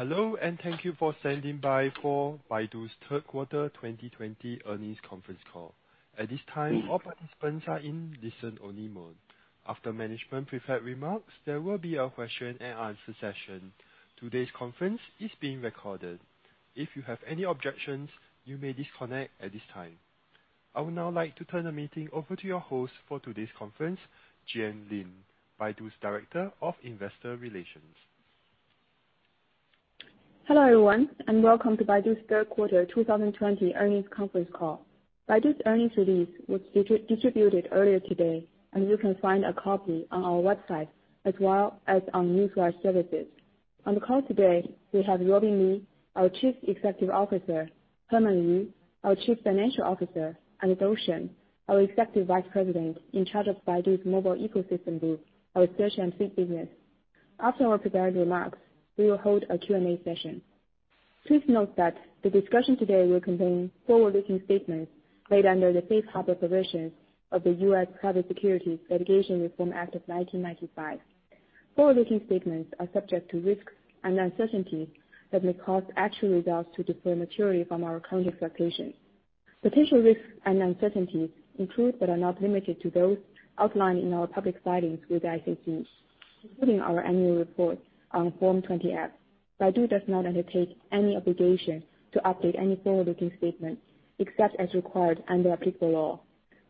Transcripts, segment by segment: Hello, and thank you for standing by for Baidu's Third Quarter 2020 Earnings Conference Call. At this time, all participants are in listen only mode. After management prepared remarks, there will be a question and answer session. Today's conference is being recorded. If you have any objections, you may disconnect at this time. I would now like to turn the meeting over to your host for today's conference, Juan Lin, Baidu's Director of Investor Relations. Hello, everyone, welcome to Baidu's third quarter 2020 earnings conference call. Baidu's earnings release was distributed earlier today, you can find a copy on our website as well as on news wire services. On the call today, we have Robin Li, our Chief Executive Officer, Herman Yu, our Chief Financial Officer, and Dou Shen, our Executive Vice President in charge of Baidu's Mobile Ecosystem Group, our search and feed business. After our prepared remarks, we will hold a Q&A session. Please note that the discussion today will contain forward-looking statements made under the safe harbor provisions of the U.S. Private Securities Litigation Reform Act of 1995. Potential risks and uncertainties include, but are not limited to those outlined in our public filings with the SEC, including our annual report on Form 20-F. Baidu does not undertake any obligation to update any forward-looking statements, except as required under applicable law.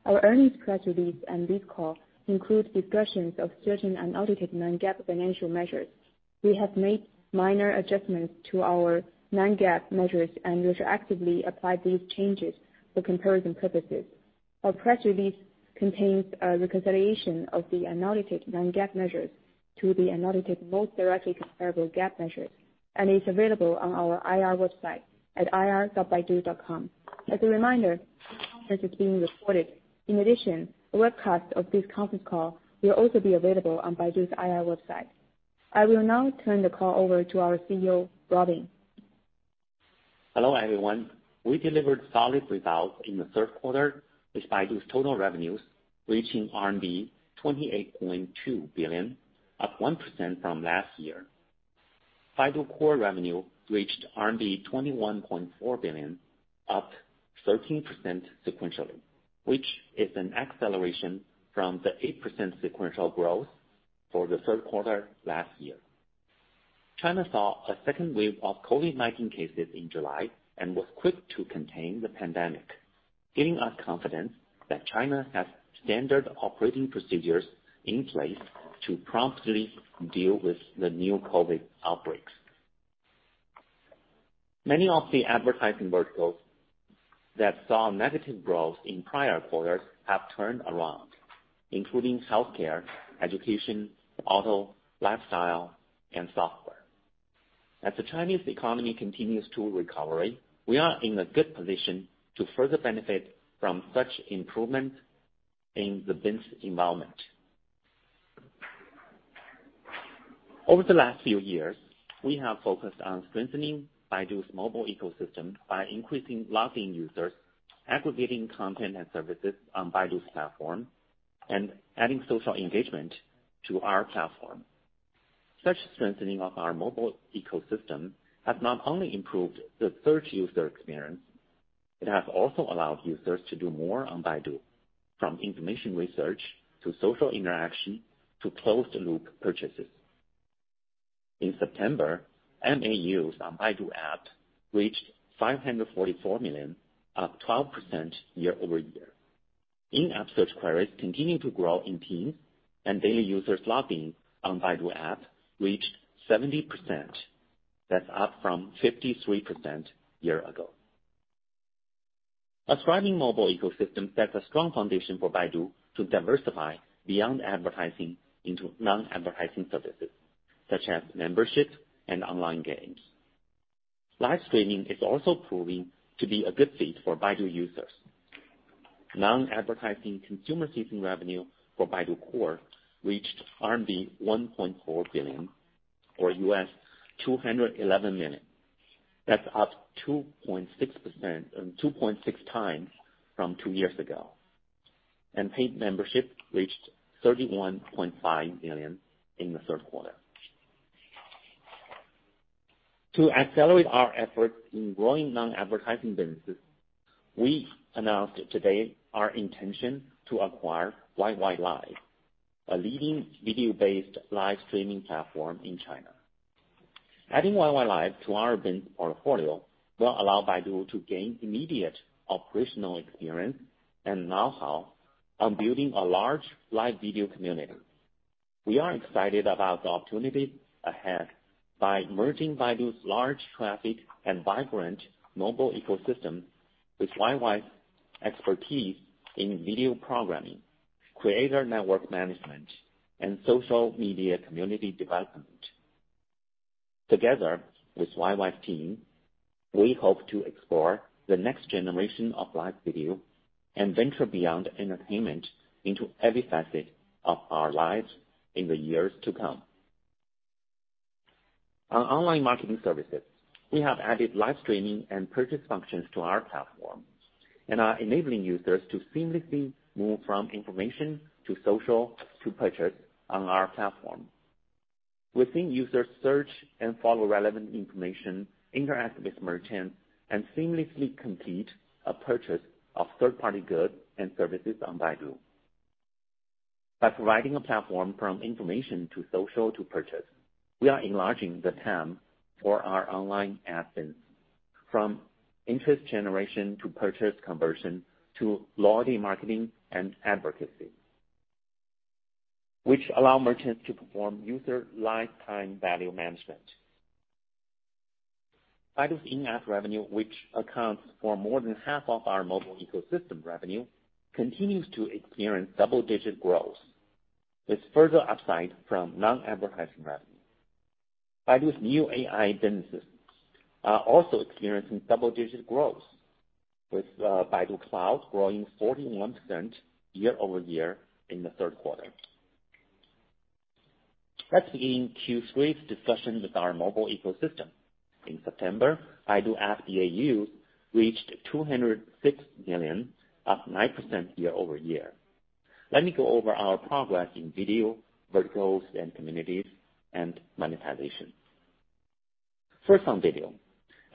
Our earnings press release and this call include discussions of certain unaudited non-GAAP financial measures. We have made minor adjustments to our non-GAAP measures and retroactively applied these changes for comparison purposes. Our press release contains a reconciliation of the unaudited non-GAAP measures to the unaudited, most directly comparable GAAP measures and is available on our IR website at ir.baidu.com. As a reminder, this conference is being recorded. In addition, a webcast of this conference call will also be available on Baidu's IR website. I will now turn the call over to our CEO, Robin. Hello, everyone. We delivered solid results in the third quarter with Baidu's total revenues reaching RMB 28.2 billion, up 1% from last year. Baidu Core revenue reached RMB 21.4 billion, up 13% sequentially, which is an acceleration from the 8% sequential growth for the third quarter last year. China saw a second wave of COVID-19 cases in July and was quick to contain the pandemic, giving us confidence that China has standard operating procedures in place to promptly deal with the new COVID outbreaks. Many of the advertising verticals that saw negative growth in prior quarters have turned around, including healthcare, education, auto, lifestyle, and software. As the Chinese economy continues to recovery, we are in a good position to further benefit from such improvement in the business environment. Over the last few years, we have focused on strengthening Baidu's mobile ecosystem by increasing logged-in users, aggregating content and services on Baidu's platform, and adding social engagement to our platform. Such strengthening of our mobile ecosystem has not only improved the search user experience, it has also allowed users to do more on Baidu, from information research to social interaction to close the loop purchases. In September, MAUs on Baidu App reached 544 million, up 12% year-over-year. In-app search queries continue to grow in teens. Daily users logged in on Baidu App reached 70%. That's up from 53% a year ago. A thriving mobile ecosystem sets a strong foundation for Baidu to diversify beyond advertising into non-advertising services such as memberships and online games. Live streaming is also proving to be a good fit for Baidu users. Non-advertising consumer-facing revenue for Baidu Core reached RMB 1.4 billion, or $211 million. That's up 2.6x from two years ago. Paid membership reached 31.5 million in the third quarter. To accelerate our efforts in growing non-advertising businesses, we announced today our intention to acquire YY Live, a leading video-based live streaming platform in China. Adding YY Live to our business portfolio will allow Baidu to gain immediate operational experience and knowhow on building a large live video community. We are excited about the opportunity ahead by merging Baidu's large traffic and vibrant mobile ecosystem with YY's expertise in video programming, creator network management, and social media community development. Together with YY's team, we hope to explore the next generation of live video and venture beyond entertainment into every facet of our lives in the years to come. On online marketing services, we have added live streaming and purchase functions to our platform and are enabling users to seamlessly move from information to social to purchase on our platform. We're seeing users search and follow relevant information, interact with merchants, and seamlessly complete a purchase of third-party goods and services on Baidu. By providing a platform from information to social to purchase, we are enlarging the TAM for our online ad spend from interest generation to purchase conversion to loyalty marketing and advocacy, which allow merchants to perform user lifetime value management. Baidu's in-app revenue, which accounts for more than half of our mobile ecosystem revenue, continues to experience double-digit growth, with further upside from non-advertising revenue. Baidu's new AI businesses are also experiencing double-digit growth, with Baidu AI Cloud growing 41% year-over-year in the third quarter. Let's begin Q3's discussion with our mobile ecosystem. In September, Baidu App DAU reached 206 million, up 9% year-over-year. Let me go over our progress in video, verticals and communities, and monetization. First, on video.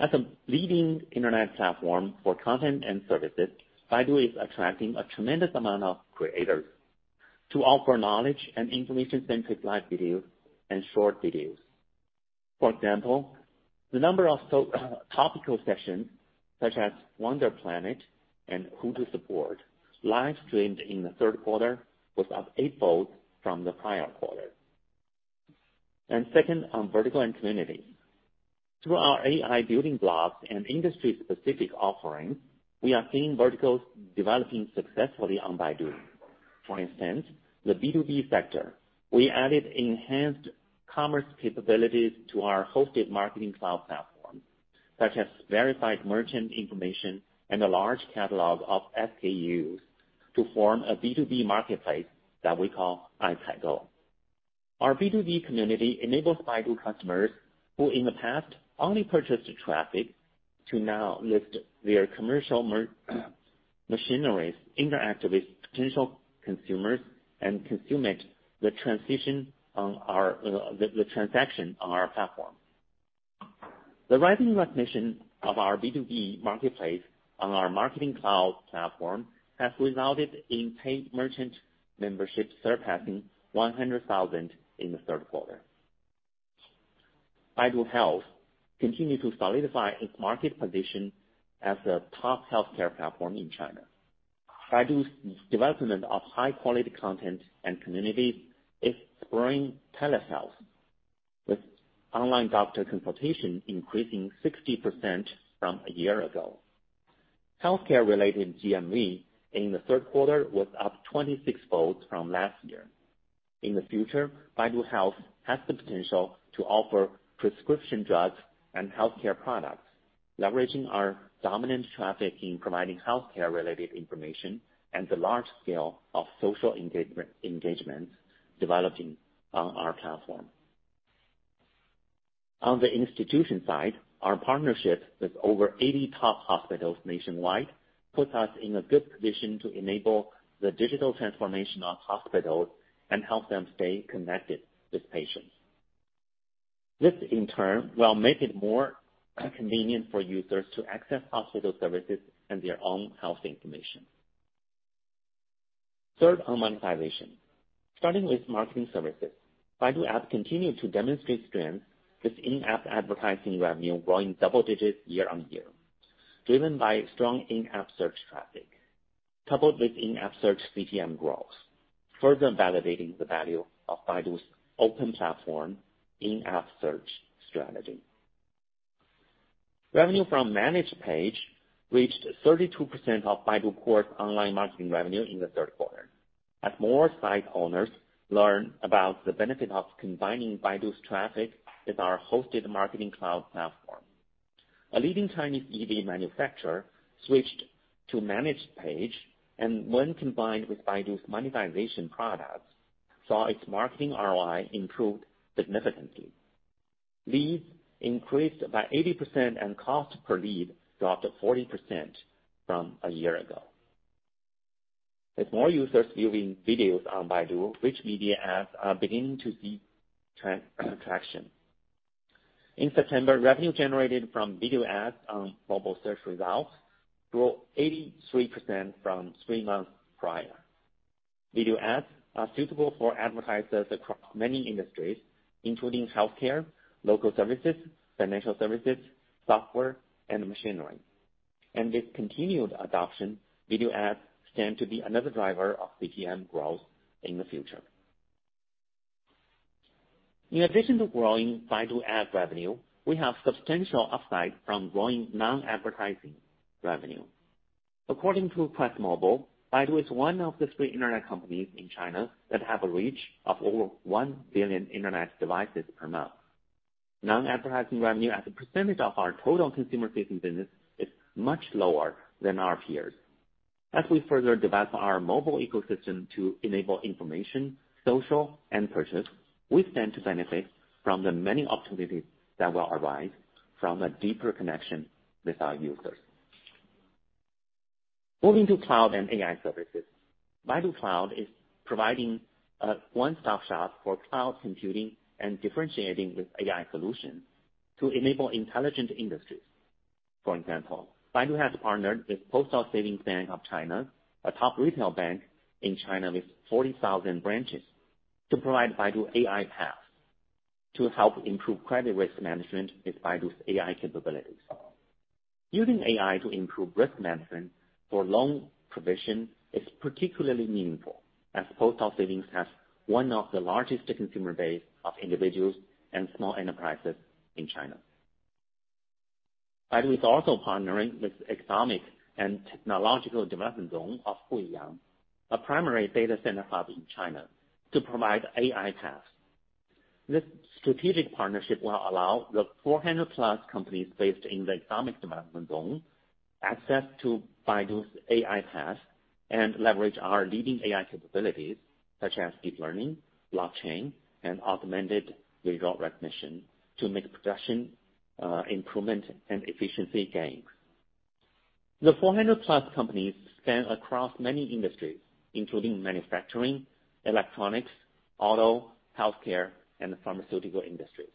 As a leading Internet platform for content and services, Baidu is attracting a tremendous amount of creators to offer knowledge and information-centric live videos and short videos. For example, the number of topical sessions, such as Wander Planet and Who to Support live streamed in the third quarter was up eightfold from the prior quarter. Second on vertical and community. Through our AI building blocks and industry-specific offerings, we are seeing verticals developing successfully on Baidu. For instance, the B2B sector, we added enhanced commerce capabilities to our hosted Marketing Cloud platform, such as verified merchant information and a large catalog of SKUs to form a B2B marketplace that we call Aicaigou. Our B2B community enables Baidu customers, who in the past only purchased traffic, to now list their commercial machineries, interact with potential consumers and consummate the transaction on our platform. The rising recognition of our B2B marketplace on our Marketing Cloud platform has resulted in paid merchant memberships surpassing 100,000 in the third quarter. Baidu Health continue to solidify its market position as a top healthcare platform in China. Baidu's development of high-quality content and communities is spurring telehealth, with online doctor consultation increasing 60% from a year ago. Healthcare-related GMV in the third quarter was up 26 folds from last year. In the future, Baidu Health has the potential to offer prescription drugs and healthcare products, leveraging our dominant traffic in providing healthcare-related information and the large scale of social engagement developing on our platform. On the institution side, our partnership with over 80 top hospitals nationwide puts us in a good position to enable the digital transformation of hospitals and help them stay connected with patients. This in turn will make it more convenient for users to access hospital services and their own health information. Third, on monetization. Starting with marketing services. Baidu App continue to demonstrate strength with in-app advertising revenue growing double digits year-over-year, driven by strong in-app search traffic, coupled with in-app search CPM growth, further validating the value of Baidu's open platform in-app search strategy. Revenue from Managed Page reached 32% of Baidu Core's online marketing revenue in the third quarter, as more site owners learn about the benefit of combining Baidu's traffic with our hosted Marketing Cloud platform. A leading Chinese EV manufacturer switched to Managed Page and when combined with Baidu's monetization products, saw its marketing ROI improve significantly. Leads increased by 80% and cost per lead dropped 40% from a year ago. With more users viewing videos on Baidu, rich media ads are beginning to see traction. In September, revenue generated from video ads on mobile search results grew 83% from three months prior. Video ads are suitable for advertisers across many industries, including healthcare, local services, financial services, software, and machinery. With continued adoption, video ads stand to be another driver of CPM growth in the future. In addition to growing Baidu App revenue, we have substantial upside from growing non-advertising revenue. According to QuestMobile, Baidu is one of the three Internet companies in China that have a reach of over 1 billion Internet devices per month. Non-advertising revenue as a percentage of our total consumer-facing business is much lower than our peers. As we further develop our mobile ecosystem to enable information, social, and purchase, we stand to benefit from the many opportunities that will arise from a deeper connection with our users. Moving to cloud and AI services, Baidu AI Cloud is providing a one-stop shop for cloud computing and differentiating with AI solutions to enable intelligent industries. For example, Baidu has partnered with Postal Savings Bank of China, a top retail bank in China with 40,000 branches, to provide Baidu AI PaaS to help improve credit risk management with Baidu's AI capabilities. Using AI to improve risk management for loan provision is particularly meaningful as Postal Savings has one of the largest consumer base of individuals and small enterprises in China. Baidu is also partnering with Economic and Technological Development Zone of Guiyang, a primary data center hub in China, to provide AI PaaS. This strategic partnership will allow the 400+ companies based in the economic development zone access to Baidu's AI PaaS and leverage our leading AI capabilities, such as deep learning, blockchain, and augmented visual recognition to make production improvement and efficiency gains. The 400+ companies span across many industries, including manufacturing, electronics, auto, healthcare, and pharmaceutical industries.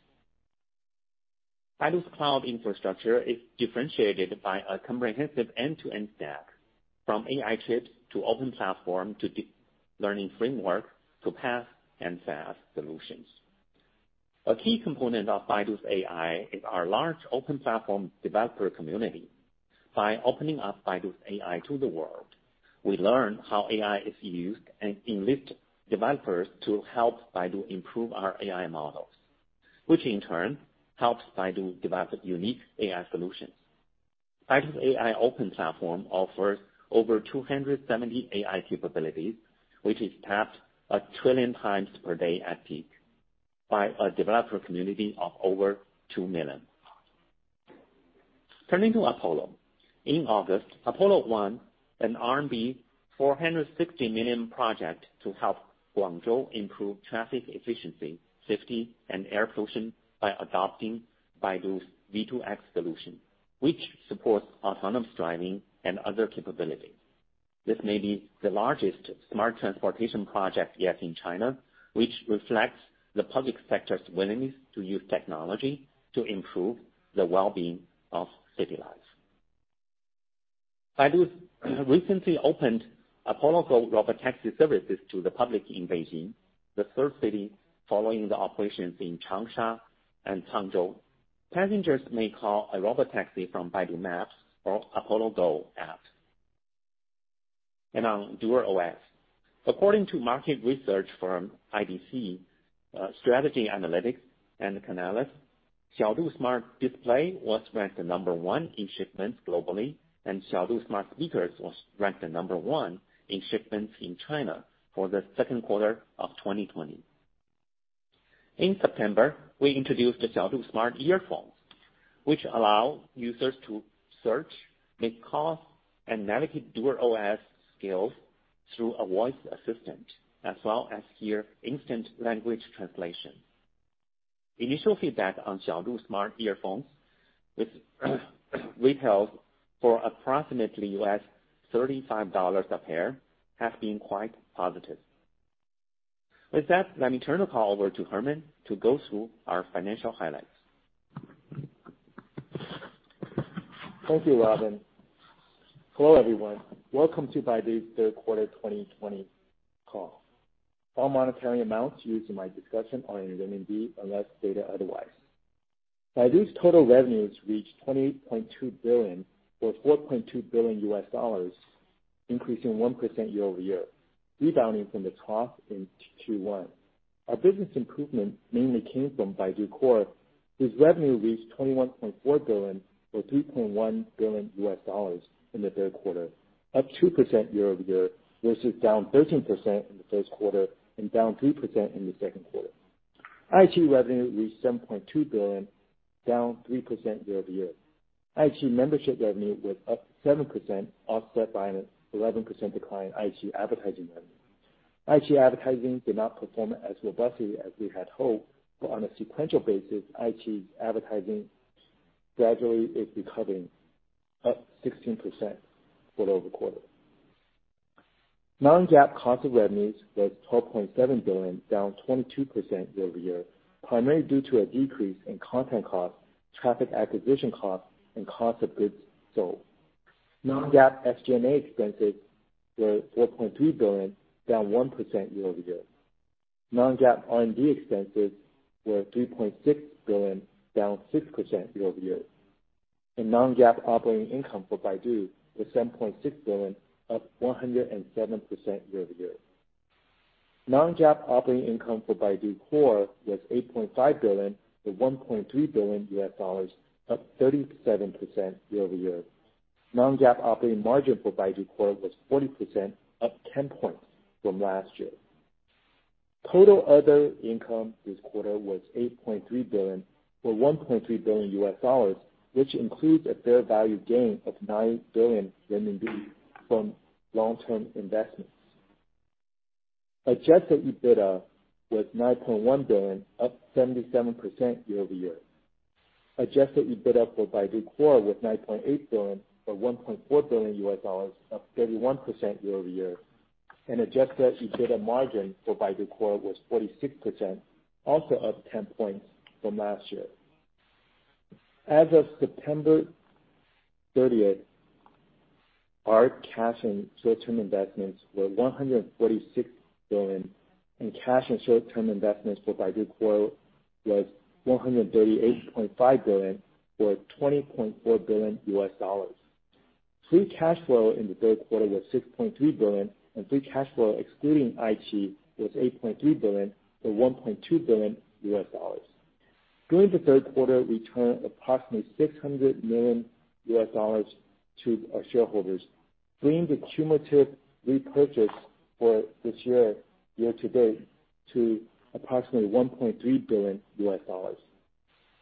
Baidu's cloud infrastructure is differentiated by a comprehensive end-to-end stack, from AI chips, to open platform, to deep learning framework, to PaaS and SaaS solutions. A key component of Baidu's AI is our large open platform developer community. By opening up Baidu's AI to the world, we learn how AI is used and enlist developers to help Baidu improve our AI models, which in turn helps Baidu develop unique AI solutions. Baidu's AI open platform offers over 270 AI capabilities, which is tapped 1 trillion times per day at peak by a developer community of over 2 million. Turning to Apollo. In August, Apollo won an RMB 460 million project to help Guangzhou improve traffic efficiency, safety, and air pollution by adopting Baidu's V2X solution, which supports autonomous driving and other capabilities. This may be the largest smart transportation project yet in China, which reflects the public sector's willingness to use technology to improve the well-being of city life. Baidu recently opened Apollo Go robotaxi services to the public in Beijing, the third city following the operations in Changsha and Hangzhou. Passengers may call a robotaxi from Baidu Maps or Apollo Go app. On DuerOS. According to market research firm IDC, Strategy Analytics, and Canalys, Xiaodu smart display was ranked the number one in shipments globally, and Xiaodu smart speakers was ranked the number one in shipments in China for the second quarter of 2020. In September, we introduced the Xiaodu smart earphones, which allow users to search, make calls, and navigate DuerOS skills through a voice assistant, as well as hear instant language translation. Initial feedback on Xiaodu smart earphones, which retails for approximately $35 a pair, have been quite positive. With that, let me turn the call over to Herman to go through our financial highlights. Thank you, Robin. Hello, everyone. Welcome to Baidu's third quarter 2020 call. All monetary amounts used in my discussion are in renminbi, unless stated otherwise. Baidu's total revenues reached 28.2 billion or $4.2 billion, increasing 1% year-over-year, rebounding from the trough in Q1. Our business improvement mainly came from Baidu Core, whose revenue reached 21.4 billion or $3.1 billion in the third quarter, up 2% year-over-year, versus down 13% in the first quarter and down 3% in the second quarter. iQIYI revenue reached 7.2 billion, down 3% year-over-year. iQIYI membership revenue was up 7%, offset by an 11% decline in iQIYI advertising revenue. iQIYI advertising did not perform as robustly as we had hoped. On a sequential basis, iQIYI advertising gradually is recovering, up 16% quarter-over-quarter. Non-GAAP cost of revenues was 12.7 billion, down 22% year-over-year, primarily due to a decrease in content cost, traffic acquisition cost, and cost of goods sold. Non-GAAP SG&A expenses were 4.3 billion, down 1% year-over-year. Non-GAAP R&D expenses were 3.6 billion, down 6% year-over-year. Non-GAAP operating income for Baidu was 7.6 billion, up 107% year-over-year. Non-GAAP operating income for Baidu Core was CNY 8.5 billion or $1.3 billion, up 37% year-over-year. Non-GAAP operating margin for Baidu Core was 40%, up 10 points from last year. Total other income this quarter was CNY 8.3 billion, or $1.3 billion, which includes a fair value gain of RMB 9 billion from long-term investments. Adjusted EBITDA was 9.1 billion, up 77% year-over-year. Adjusted EBITDA for Baidu Core was CNY 9.8 billion, or $1.4 billion, up 31% year-over-year, and adjusted EBITDA margin for Baidu Core was 46%, also up 10 points from last year. As of September 30th, our cash and short-term investments were CNY 146 billion, and cash and short-term investments for Baidu Core was CNY 138.5 billion, or $20.4 billion. Free cash flow in the third quarter was 6.3 billion, and free cash flow excluding iQIYI was 8.3 billion, or $1.2 billion. During the third quarter, we returned approximately $600 million to our shareholders, bringing the cumulative repurchase for this year year-to-date to approximately $1.3 billion.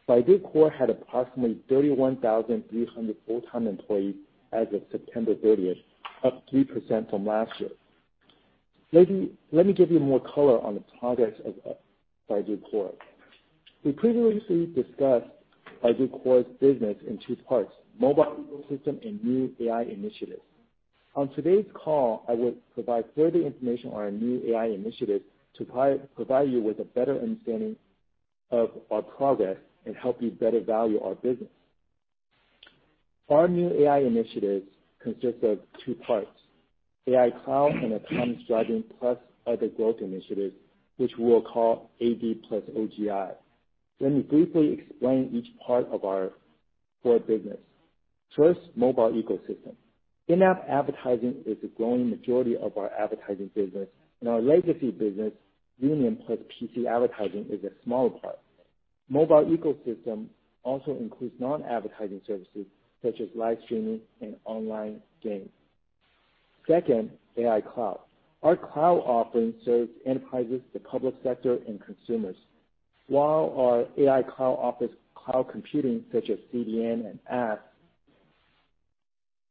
Baidu Core had approximately 31,300 full-time employees as of September 30th, up 3% from last year. Let me give you more color on the progress of Baidu Core. We previously discussed Baidu Core's business in two parts: mobile ecosystem and new AI initiatives. On today's call, I will provide further information on our new AI initiatives to provide you with a better understanding of our progress and help you better value our business. Our new AI initiatives consist of two parts: AI Cloud and autonomous driving, plus other growth initiatives, which we'll call AD plus OGI. Let me briefly explain each part of our core business. First, mobile ecosystem. In-app advertising is a growing majority of our advertising business, and our legacy business, Union+ PC advertising, is a smaller part. Mobile ecosystem also includes non-advertising services such as live streaming and online games. Second, AI Cloud. Our cloud offering serves enterprises, the public sector, and consumers. While our AI Cloud offers cloud computing such as CDN and apps,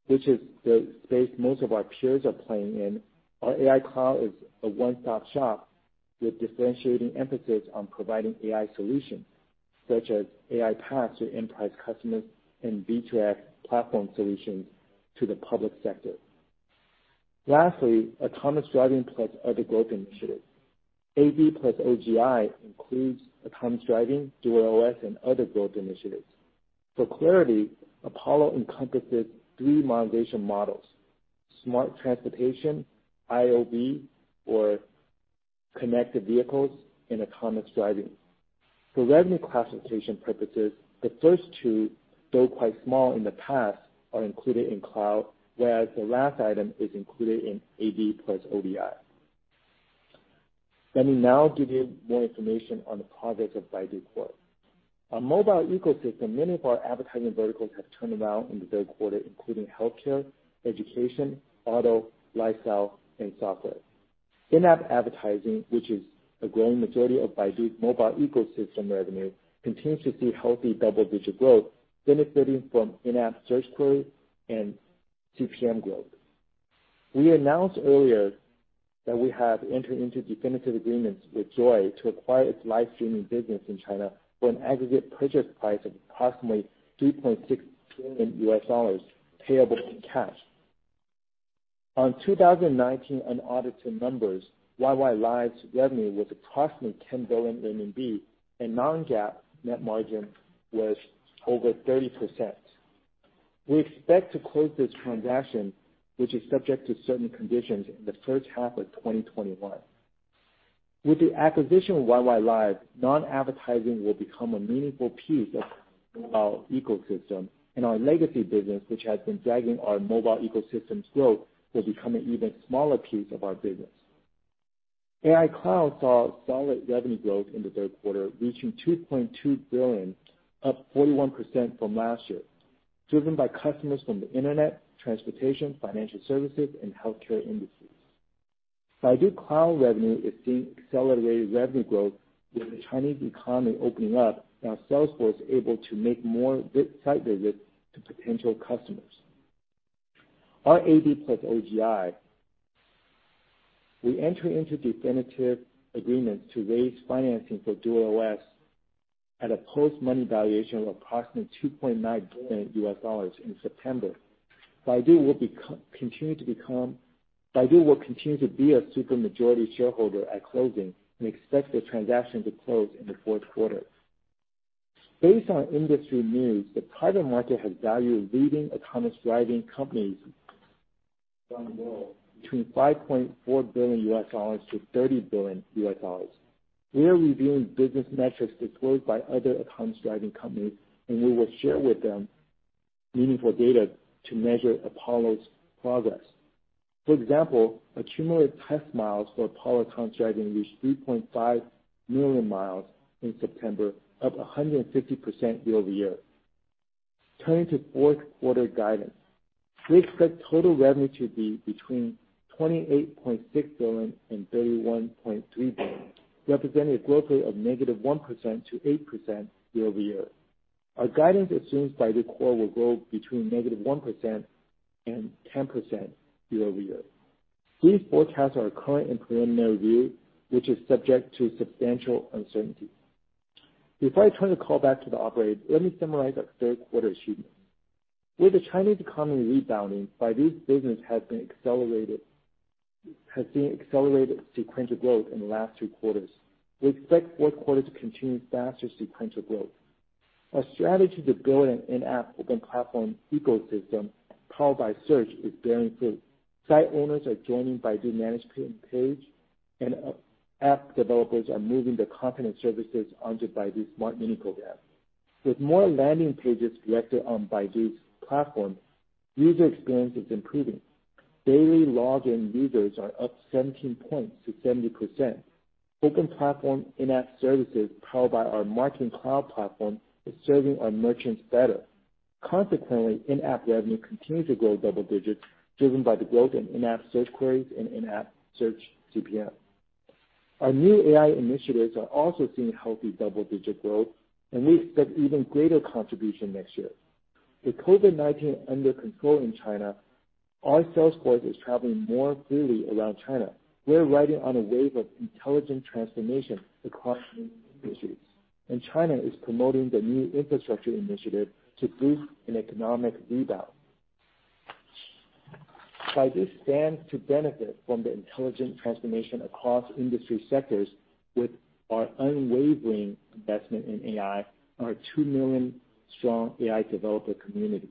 which is the space most of our peers are playing in, our AI Cloud is a one-stop shop with differentiating emphasis on providing AI solutions such as AI PaaS to enterprise customers and B2X platform solutions to the public sector. Lastly, Autonomous Driving plus Other Growth Initiatives. AD plus OGI includes autonomous driving, DuerOS, and other growth initiatives. For clarity, Apollo encompasses three monetization models: smart transportation, IoV or connected vehicles, and autonomous driving. For revenue classification purposes, the first two, though quite small in the past, are included in Cloud, whereas the last item is included in AD plus OGI. Let me now give you more information on the progress of Baidu Core. On mobile ecosystem, many of our advertising verticals have turned around in the third quarter, including healthcare, education, auto, lifestyle, and software. In-app advertising, which is a growing majority of Baidu's mobile ecosystem revenue, continues to see healthy double-digit growth benefiting from in-app search query and CPM growth. We announced earlier that we have entered into definitive agreements with JOYY to acquire its live streaming business in China for an aggregate purchase price of approximately $3.6 billion payable in cash. On 2019 unaudited numbers, YY Live's revenue was approximately 10 billion RMB, and non-GAAP net margin was over 30%. We expect to close this transaction, which is subject to certain conditions, in the first half of 2021. With the acquisition of YY Live, non-advertising will become a meaningful piece of our ecosystem, and our legacy business, which has been dragging our mobile ecosystem's growth, will become an even smaller piece of our business. AI Cloud saw solid revenue growth in the third quarter, reaching 2.2 billion, up 41% from last year, driven by customers from the internet, transportation, financial services, and healthcare industries. Baidu AI Cloud revenue is seeing accelerated revenue growth with the Chinese economy opening up, and our sales force able to make more site visits to potential customers. Our AD plus OGI, we enter into definitive agreements to raise financing for DuerOS at a post-money valuation of approximately $2.9 billion in September. Baidu will continue to be a super majority shareholder at closing and expects the transaction to close in the fourth quarter. Based on industry news, the private market has valued leading autonomous driving companies around the world between $4.5 billion-$30 billion. We are reviewing business metrics disclosed by other autonomous driving companies, and we will share with them meaningful data to measure Apollo's progress. For example, accumulated test miles for Apollo autonomous driving reached 3.5 million miles in September, up 150% year-over-year. Turning to fourth quarter guidance, we expect total revenue to be between 28.6 billion and 31.3 billion, representing a growth rate of negative 1% to 8% year-over-year. Our guidance assumes Baidu Core will grow between negative 1% and 10% year-over-year. These forecasts are our current and preliminary view, which is subject to substantial uncertainty. Before I turn the call back to the operator, let me summarize our third quarter achievements. With the Chinese economy rebounding, Baidu's business has been accelerated sequential growth in the last three quarters. We expect fourth quarter to continue faster sequential growth. Our strategy to build an in-app open platform ecosystem powered by Search is bearing fruit. Site owners are joining Baidu Managed Page, and app developers are moving their content services onto Baidu's Smart Mini Program. With more landing pages collected on Baidu's platform, user experience is improving. Daily login users are up 17 points to 70%. Open platform in-app services powered by our Marketing Cloud platform is serving our merchants better. Consequently, in-app revenue continues to grow double digits, driven by the growth in in-app search queries and in-app search CPM. Our new AI initiatives are also seeing healthy double-digit growth, and we expect even greater contribution next year. With COVID-19 under control in China, our sales force is traveling more freely around China. We're riding on a wave of intelligent transformation across industries, and China is promoting the new infrastructure initiative to boost an economic rebound. Baidu stands to benefit from the intelligent transformation across industry sectors with our unwavering investment in AI and our 2 million strong AI developer community.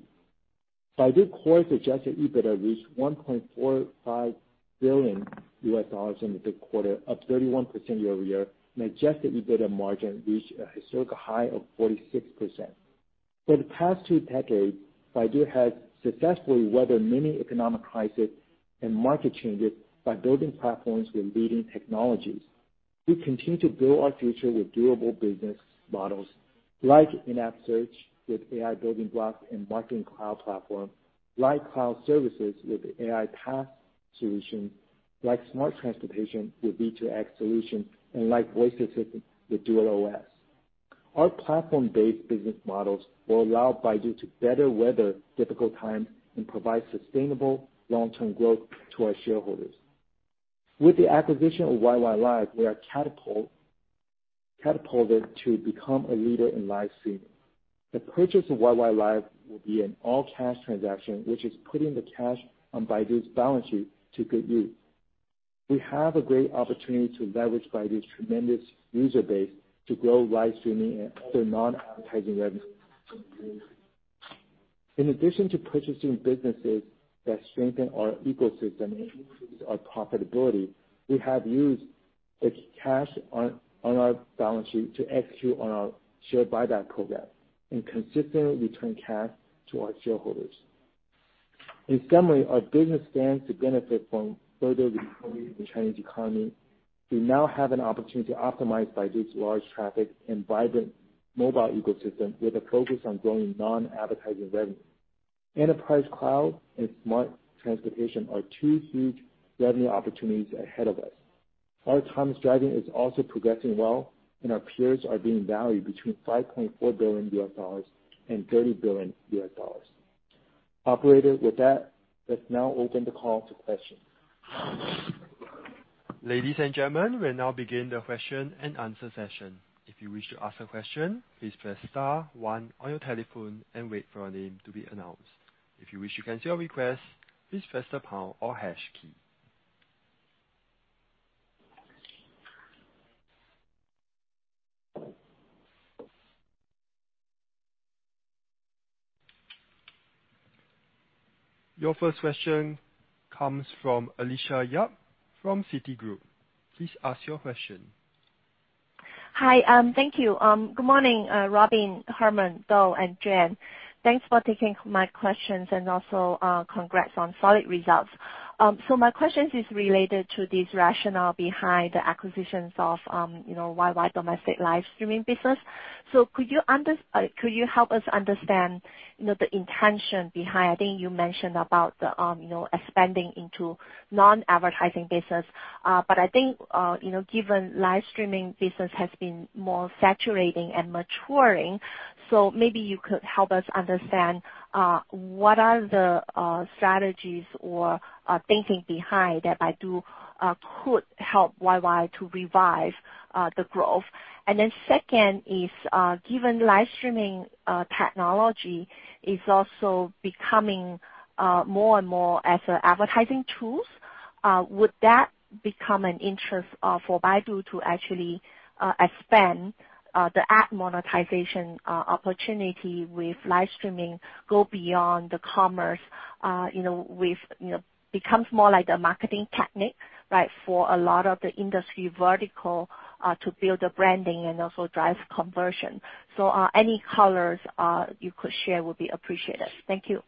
Baidu Core adjusted EBITDA reached $1.45 billion in the third quarter, up 31% year-over-year. Adjusted EBITDA margin reached a historical high of 46%. For the past two decades, Baidu has successfully weathered many economic crises and market changes by building platforms with leading technologies. We continue to build our future with durable business models like in-app search with AI building blocks and Marketing Cloud platform, like cloud services with AI PaaS solution, like smart transportation with B2X solution, like voice assistant with DuerOS. Our platform-based business models will allow Baidu to better weather difficult times and provide sustainable long-term growth to our shareholders. With the acquisition of YY Live, we are catapulted to become a leader in live streaming. The purchase of YY Live will be an all-cash transaction, which is putting the cash on Baidu's balance sheet to good use. We have a great opportunity to leverage Baidu's tremendous user base to grow live streaming and other non-advertising revenue. In addition to purchasing businesses that strengthen our ecosystem and increase our profitability, we have used the cash on our balance sheet to execute on our share buyback program and consistently return cash to our shareholders. In summary, our business stands to benefit from further recovery in the Chinese economy. We now have an opportunity to optimize Baidu's large traffic and vibrant mobile ecosystem with a focus on growing non-advertising revenue. Enterprise Cloud and smart transportation are two huge revenue opportunities ahead of us. Our autonomous driving is also progressing well. Our peers are being valued between $5.4 billion and $30 billion. Operator, with that, let's now open the call to questions. Ladies and gentlemen, we'll now begin the question-and-answer session. If you wish to ask a question, please press star one on your telephone and wait for your name to be announced. If you wish to cancel request please press the pound or hash key. Your first question comes from Alicia Yap from Citigroup. Please ask your question. Hi. Thank you. Good morning, Robin, Herman, Dou, and Juan. Thanks for taking my questions and also congrats on solid results. My question is related to this rationale behind the acquisitions of YY domestic live streaming business. Could you help us understand the intention behind? I think you mentioned about expanding into non-advertising business. I think given live streaming business has been more saturating and maturing, maybe you could help us understand what are the strategies or thinking behind that Baidu could help YY to revive the growth? Second is, given live streaming technology is also becoming more and more as advertising tools, would that become an interest for Baidu to actually expand the app monetization opportunity with live streaming go beyond the commerce, becomes more like a marketing technique for a lot of the industry vertical to build a branding and also drive conversion? Any colors you could share would be appreciated. Thank you.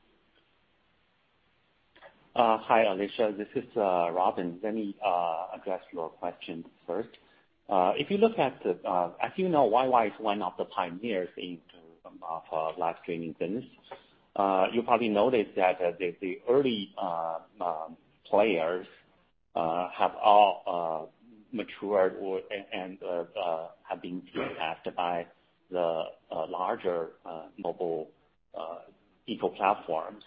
Hi, Alicia. This is Robin. Let me address your question first. As you know, YY is one of the pioneers in live streaming business. You probably noticed that the early players have all matured or, and have been impacted by the larger mobile eco platforms.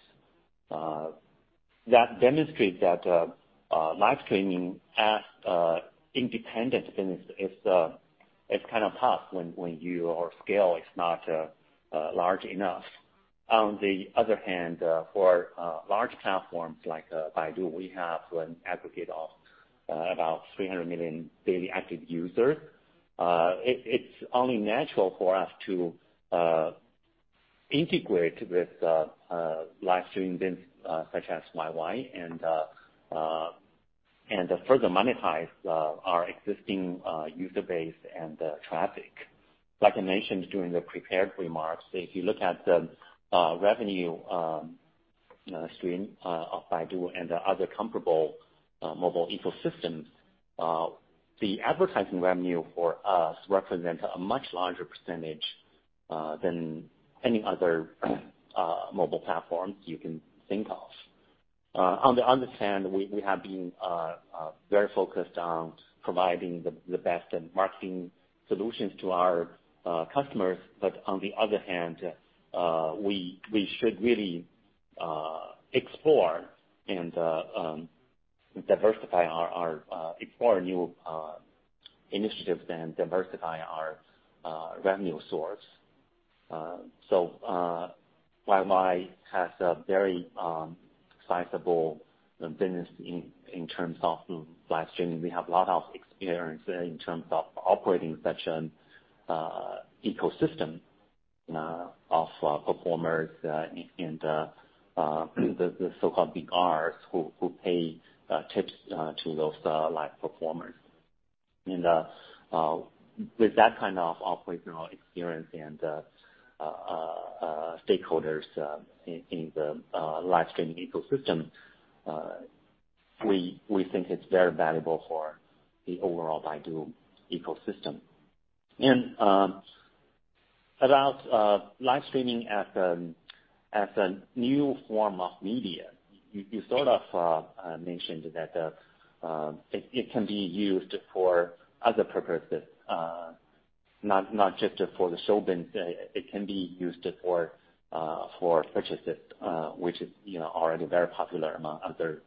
That demonstrates that live streaming as independent business is kind of tough when your scale is not large enough. On the other hand, for large platforms like Baidu, we have an aggregate of about 300 million daily active users. It's only natural for us to integrate with live streaming business such as YY and further monetize our existing user base and traffic. Like I mentioned during the prepared remarks, if you look at the revenue stream of Baidu and other comparable mobile ecosystems, the advertising revenue for us represents a much larger percentage than any other mobile platform you can think of. On the other hand, we have been very focused on providing the best in marketing solutions to our customers. On the other hand, we should really explore new initiatives and diversify our revenue source. YY has a very sizable business in terms of live streaming. We have a lot of experience in terms of operating such an ecosystem of performers and the so-called big R's who pay tips to those live performers. With that kind of operational experience and stakeholders in the live streaming ecosystem, we think it's very valuable for the overall Baidu ecosystem. About live streaming as a new form of media, you sort of mentioned that it can be used for other purposes. Not just for the show biz, it can be used for purchases, which is already very popular among other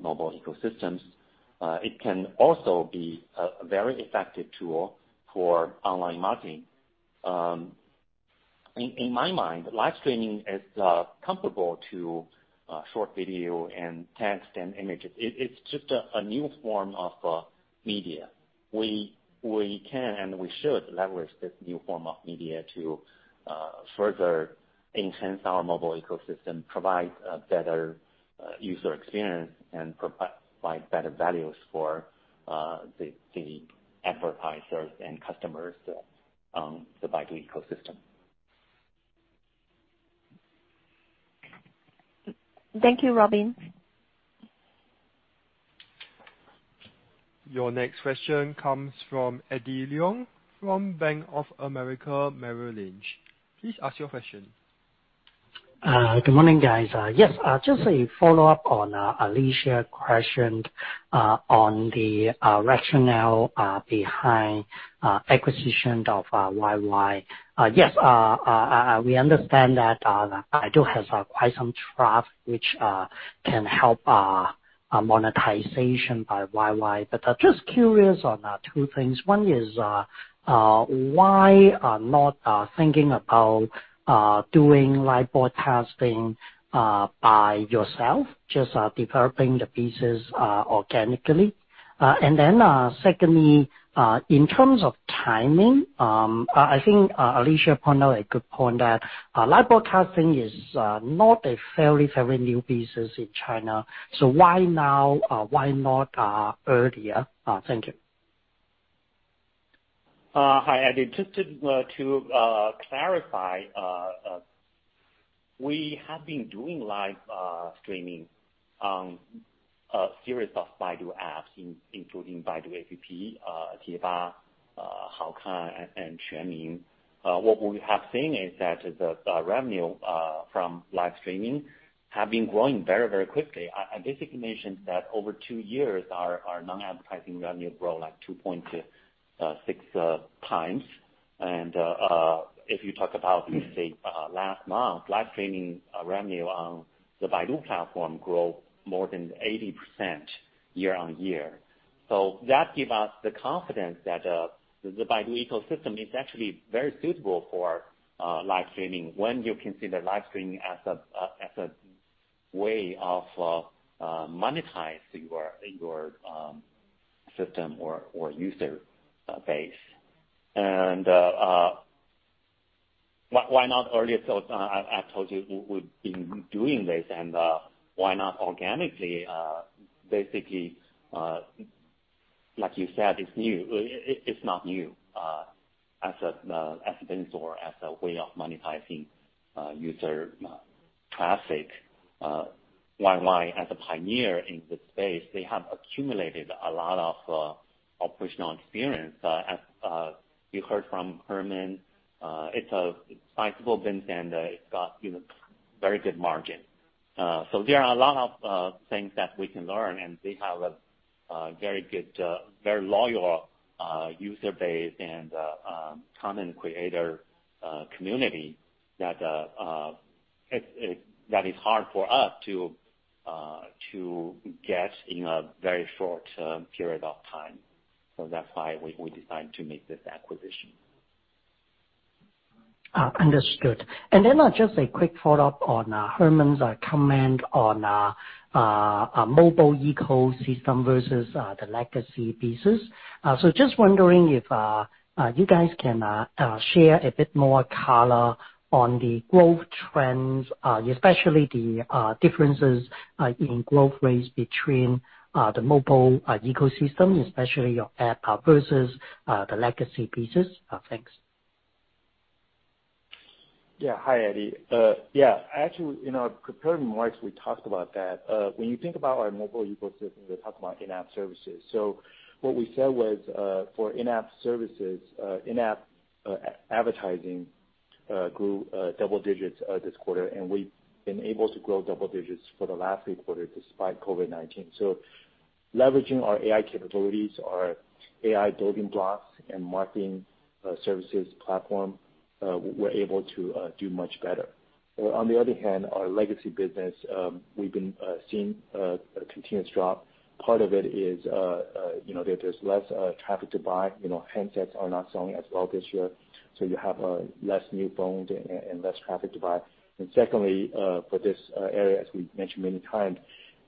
mobile ecosystems. It can also be a very effective tool for online marketing. In my mind, live streaming is comparable to short video and text and images. It is just a new form of media. We can and we should leverage this new form of media to further enhance our mobile ecosystem, provide a better user experience, and provide better values for the advertisers and customers on the Baidu ecosystem. Thank you, Robin. Your next question comes from Eddie Leung from Bank of America Merrill Lynch. Please ask your question. Good morning, guys. Just a follow-up on Alicia question on the rationale behind acquisition of YY. Just curious on two things. One is why are not thinking about doing live broadcasting by yourself, just developing the pieces organically? Secondly, in terms of timing, I think Alicia pointed out a good point that live broadcasting is not a very, very new business in China. Why now? Why not earlier? Thank you. Hi, Eddie. Just to clarify, we have been doing live streaming on a series of Baidu apps including Baidu App, Baidu Tieba, Haokan, and Quanmin. What we have seen is that the revenue from live streaming have been growing very, very quickly. I basically mentioned that over two years, our non-advertising revenue grow like 2.6x. If you talk about, say, last month, live streaming revenue on the Baidu platform grow more than 80% year-on-year. That give us the confidence that the Baidu ecosystem is actually very suitable for live streaming when you consider live streaming as a way of monetizing your system or user base. Why not earlier? I told you we've been doing this and why not organically? Like you said, it's not new as a business or as a way of monetizing user traffic. YY, as a pioneer in this space, they have accumulated a lot of operational experience. As you heard from Herman, it's a sizable business and it's got very good margin. There are a lot of things that we can learn, and they have a very loyal user base and content creator community that is hard for us to get in a very short period of time. That's why we decided to make this acquisition. Understood. Just a quick follow-up on Herman's comment on mobile ecosystem versus the legacy business. Just wondering if you guys can share a bit more color on the growth trends, especially the differences in growth rates between the mobile ecosystem, especially your app, versus the legacy business. Thanks. Hi, Eddie. Actually, in our prepared remarks, we talked about that. When you think about our mobile ecosystem, we talk about in-app services. What we said was, for in-app services, in-app advertising grew double digits this quarter, and we've been able to grow double digits for the last three quarters despite COVID-19. Leveraging our AI capabilities, our AI building blocks, and marketing services platform, we're able to do much better. On the other hand, our legacy business, we've been seeing a continuous drop. Part of it is that there's less traffic to buy. Handsets are not selling as well this year, so you have less new phones and less traffic to buy. Secondly, for this area, as we mentioned many times,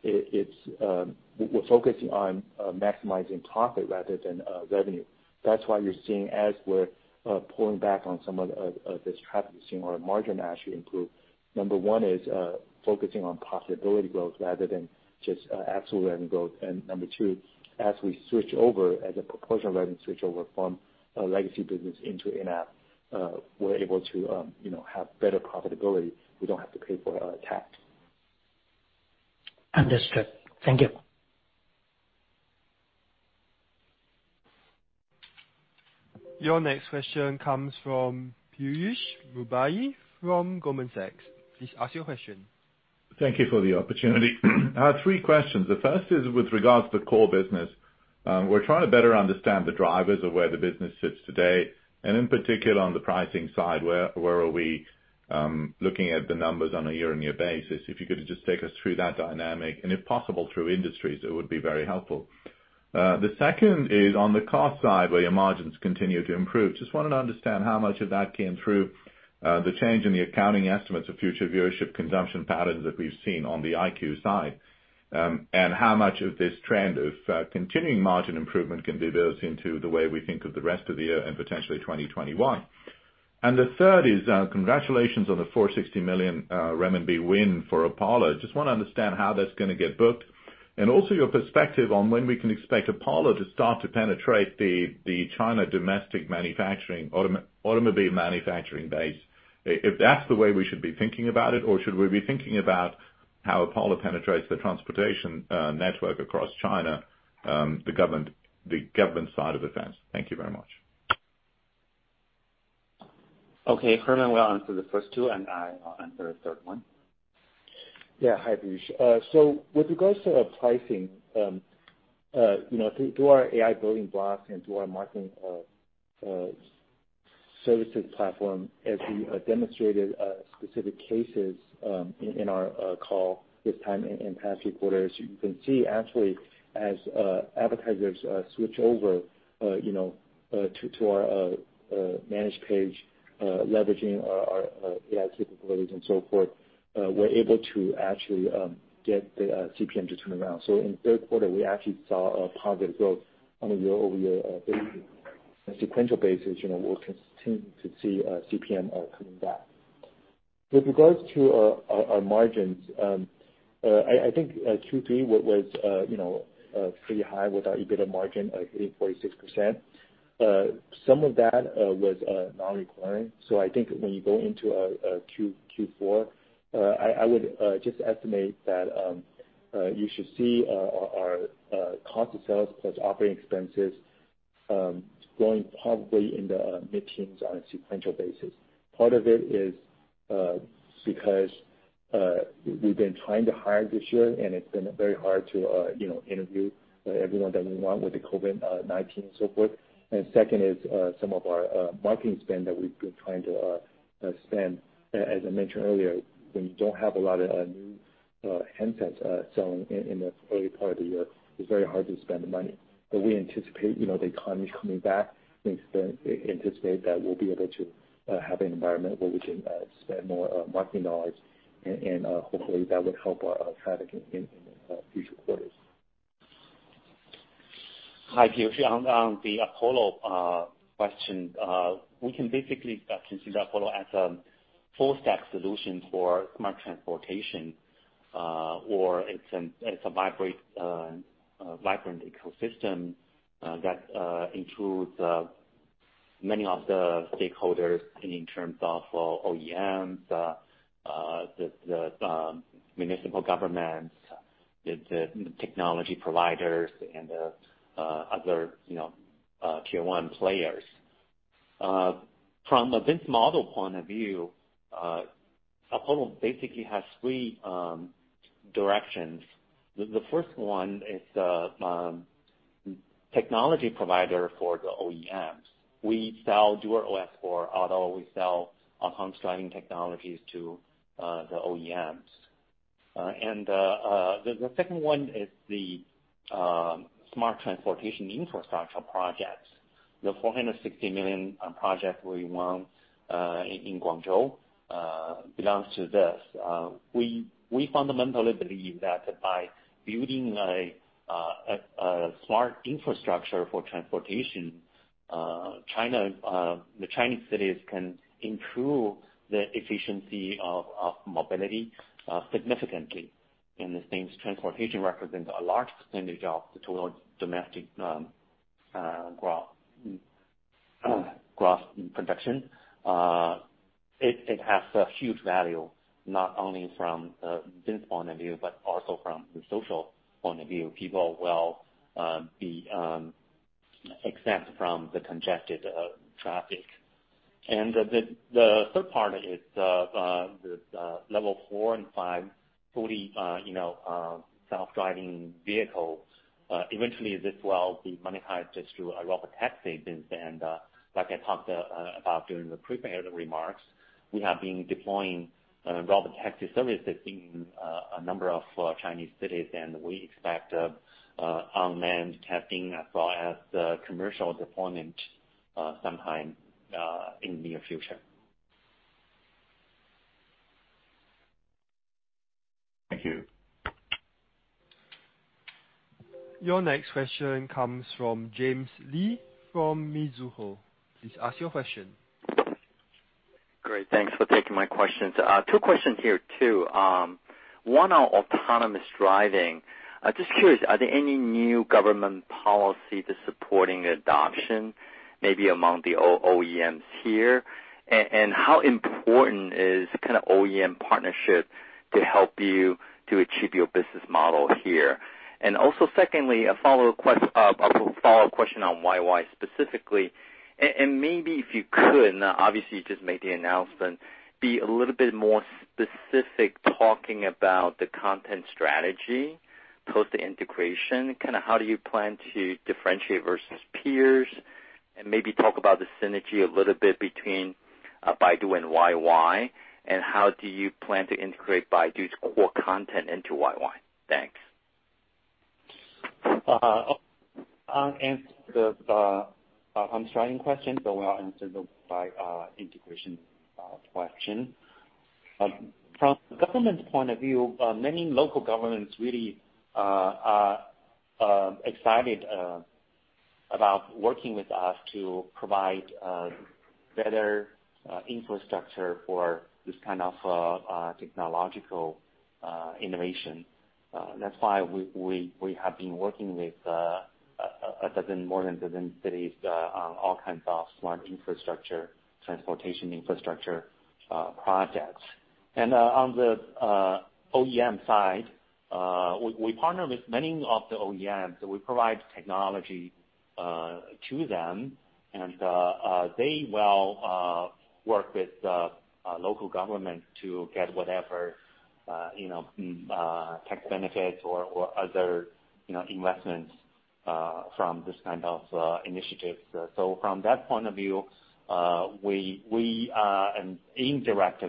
we're focusing on maximizing profit rather than revenue. That's why you're seeing as we're pulling back on some of this traffic, we're seeing our margin actually improve. Number one is focusing on profitability growth rather than just absolute revenue growth. Number two, as we switch over, as a proportion of revenue switch over from legacy business into in-app, we're able to have better profitability. We don't have to pay for TAC. Understood. Thank you. Your next question comes from Piyush Mubayi from Goldman Sachs. Please ask your question. Thank you for the opportunity. I have three questions. The first is with regards to Baidu Core business. We're trying to better understand the drivers of where the business sits today, and in particular, on the pricing side, where are we looking at the numbers on a year-over-year basis? If you could just take us through that dynamic, and if possible, through industries, it would be very helpful. The second is on the cost side, where your margins continue to improve. Just wanted to understand how much of that came through the change in the accounting estimates of future viewership consumption patterns that we've seen on the iQIYI side, and how much of this trend of continuing margin improvement can be built into the way we think of the rest of the year and potentially 2021. The third is, congratulations on the 460 million RMB win for Apollo. Just want to understand how that's going to get booked, and also your perspective on when we can expect Apollo to start to penetrate the China domestic automobile manufacturing base. If that's the way we should be thinking about it, or should we be thinking about how Apollo penetrates the transportation network across China, the government side of the fence. Thank you very much. Okay. Herman will answer the first two, and I will answer the third one. Yeah. Hi, Piyush. With regards to pricing, through our AI building blocks and through our marketing services platform, as we demonstrated specific cases in our call this time and past quarters, you can see actually as advertisers switch over to our Managed Page, leveraging our AI capabilities and so forth, we're able to actually get the CPM to turn around. In third quarter, we actually saw a positive growth on a year-over-year basis. On a sequential basis, we'll continue to see CPM coming back. With regards to our margins, I think Q3 was pretty high with our EBITDA margin hitting 46%. Some of that was non-recurring. I think when you go into Q4, I would just estimate that you should see our cost of sales plus operating expenses growing probably in the mid-teens on a sequential basis. Part of it is because we've been trying to hire this year, and it's been very hard to interview everyone that we want with the COVID-19 and so forth. Second is some of our marketing spend that we've been trying to spend. As I mentioned earlier, when you don't have a lot of new handsets selling in the early part of the year, it's very hard to spend the money. We anticipate the economy coming back. We anticipate that we'll be able to have an environment where we can spend more marketing dollars, and hopefully, that would help our traffic in future quarters. Hi, Piyush. On the Apollo question, we can basically consider Apollo as a full stack solution for smart transportation, or it's a vibrant ecosystem that includes many of the stakeholders in terms of OEMs, the municipal government, the technology providers and other tier one players. From this model point of view, Apollo basically has three directions. The first one is the technology provider for the OEMs. We sell DuerOS for Apollo. We sell autonomous driving technologies to the OEMs. The second one is the smart transportation infrastructure projects. The 460 million project we won in Guangzhou belongs to this. We fundamentally believe that by building a smart infrastructure for transportation, the Chinese cities can improve the efficiency of mobility significantly. Since transportation represents a large percentage of the total domestic gross production, it has a huge value, not only from this point of view, but also from the social point of view. People will be exempt from the congested traffic. The third part is the level four and five fully self-driving vehicle. Eventually, this will be monetized just through a robotaxi business. Like I talked about during the prepared remarks, we have been deploying robotaxi services in a number of Chinese cities, and we expect unmanned testing as well as the commercial deployment sometime in near future. Thank you. Your next question comes from James Lee, from Mizuho. Please ask your question. Great. Thanks for taking my questions. Two questions here, too. One on Autonomous Driving. Just curious, are there any new government policy to supporting adoption maybe among the OEMs here? How important is OEM partnership to help you to achieve your business model here? Also secondly, a follow-up question on YY specifically. Maybe if you could, obviously you just made the announcement, be a little bit more specific talking about the content strategy post the integration. How do you plan to differentiate versus peers? Maybe talk about the synergy a little bit between Baidu and YY. How do you plan to integrate Baidu's core content into YY? Thanks. I'll answer the Autonomous Driving question, but we'll answer the integration question. From the government's point of view, many local governments really are excited about working with us to provide better infrastructure for this kind of technological innovation. That's why we have been working with more than dozen cities on all kinds of smart infrastructure, transportation infrastructure projects. On the OEM side, we partner with many of the OEMs. We provide technology to them. They will work with the local government to get whatever tax benefits or other investments from this kind of initiatives. From that point of view, we are an indirect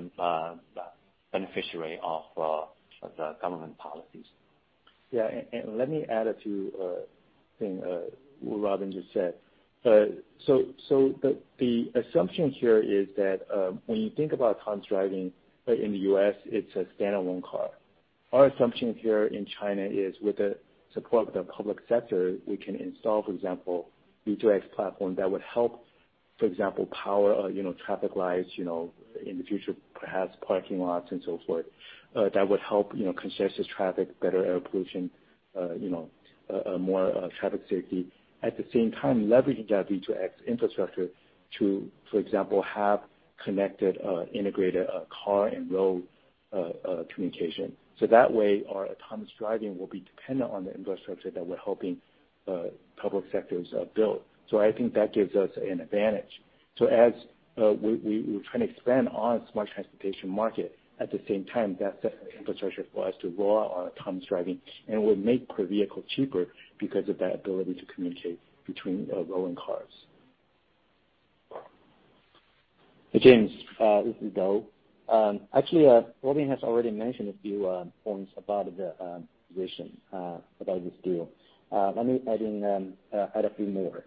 beneficiary of the government policies. Let me add a few things Robin just said. The assumption here is that when you think about autonomous driving in the U.S., it's a standalone car. Our assumption here in China is with the support of the public sector, we can install, for example, V2X platform that would help, for example, power traffic lights, in the future perhaps parking lots and so forth, that would help congestion traffic, better air pollution, more traffic safety. At the same time, leveraging that V2X infrastructure to, for example, have connected, integrated car and road communication. That way, our autonomous driving will be dependent on the infrastructure that we're helping public sectors build. I think that gives us an advantage. As we try to expand our smart transportation market, at the same time, that's the infrastructure for us to roll out our autonomous driving. Will make per vehicle cheaper because of that ability to communicate between road and cars. James, this is Dou. Actually, Robin has already mentioned a few points about the vision, about this deal. Let me add a few more.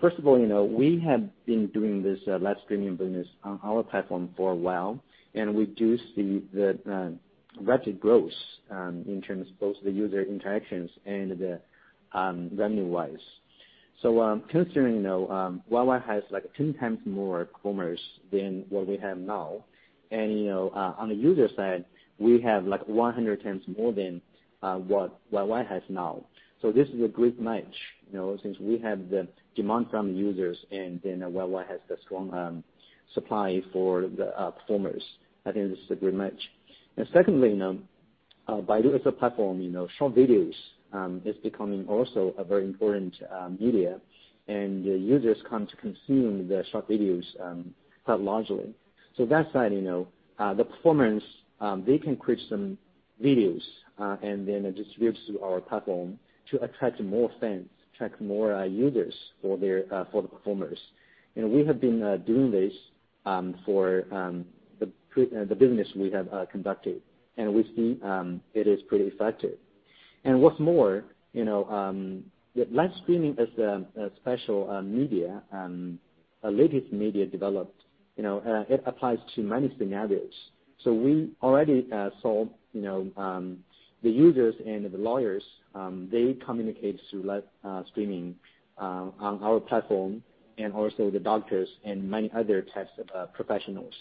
First of all, we have been doing this live streaming business on our platform for a while, and we do see the rapid growth in terms of both the user interactions and the revenue-wise. Considering YY has 10x more commerce than what we have now, and on the user side, we have 100x more than what YY has now. This is a great match, since we have the demand from the users and then YY has the strong supply for the performers. I think this is a great match. Secondly, Baidu as a platform, short videos is becoming also a very important media, and users come to consume the short videos quite largely. That side, the performers, they can create some videos, and then it distributes to our platform to attract more fans, attract more users for the performers. We have been doing this for the business we have conducted, and we've seen it is pretty effective. What's more, live streaming as a special media, a latest media developed, it applies to many scenarios. We already saw the users and the lawyers, they communicate through live streaming on our platform, and also the doctors and many other types of professionals.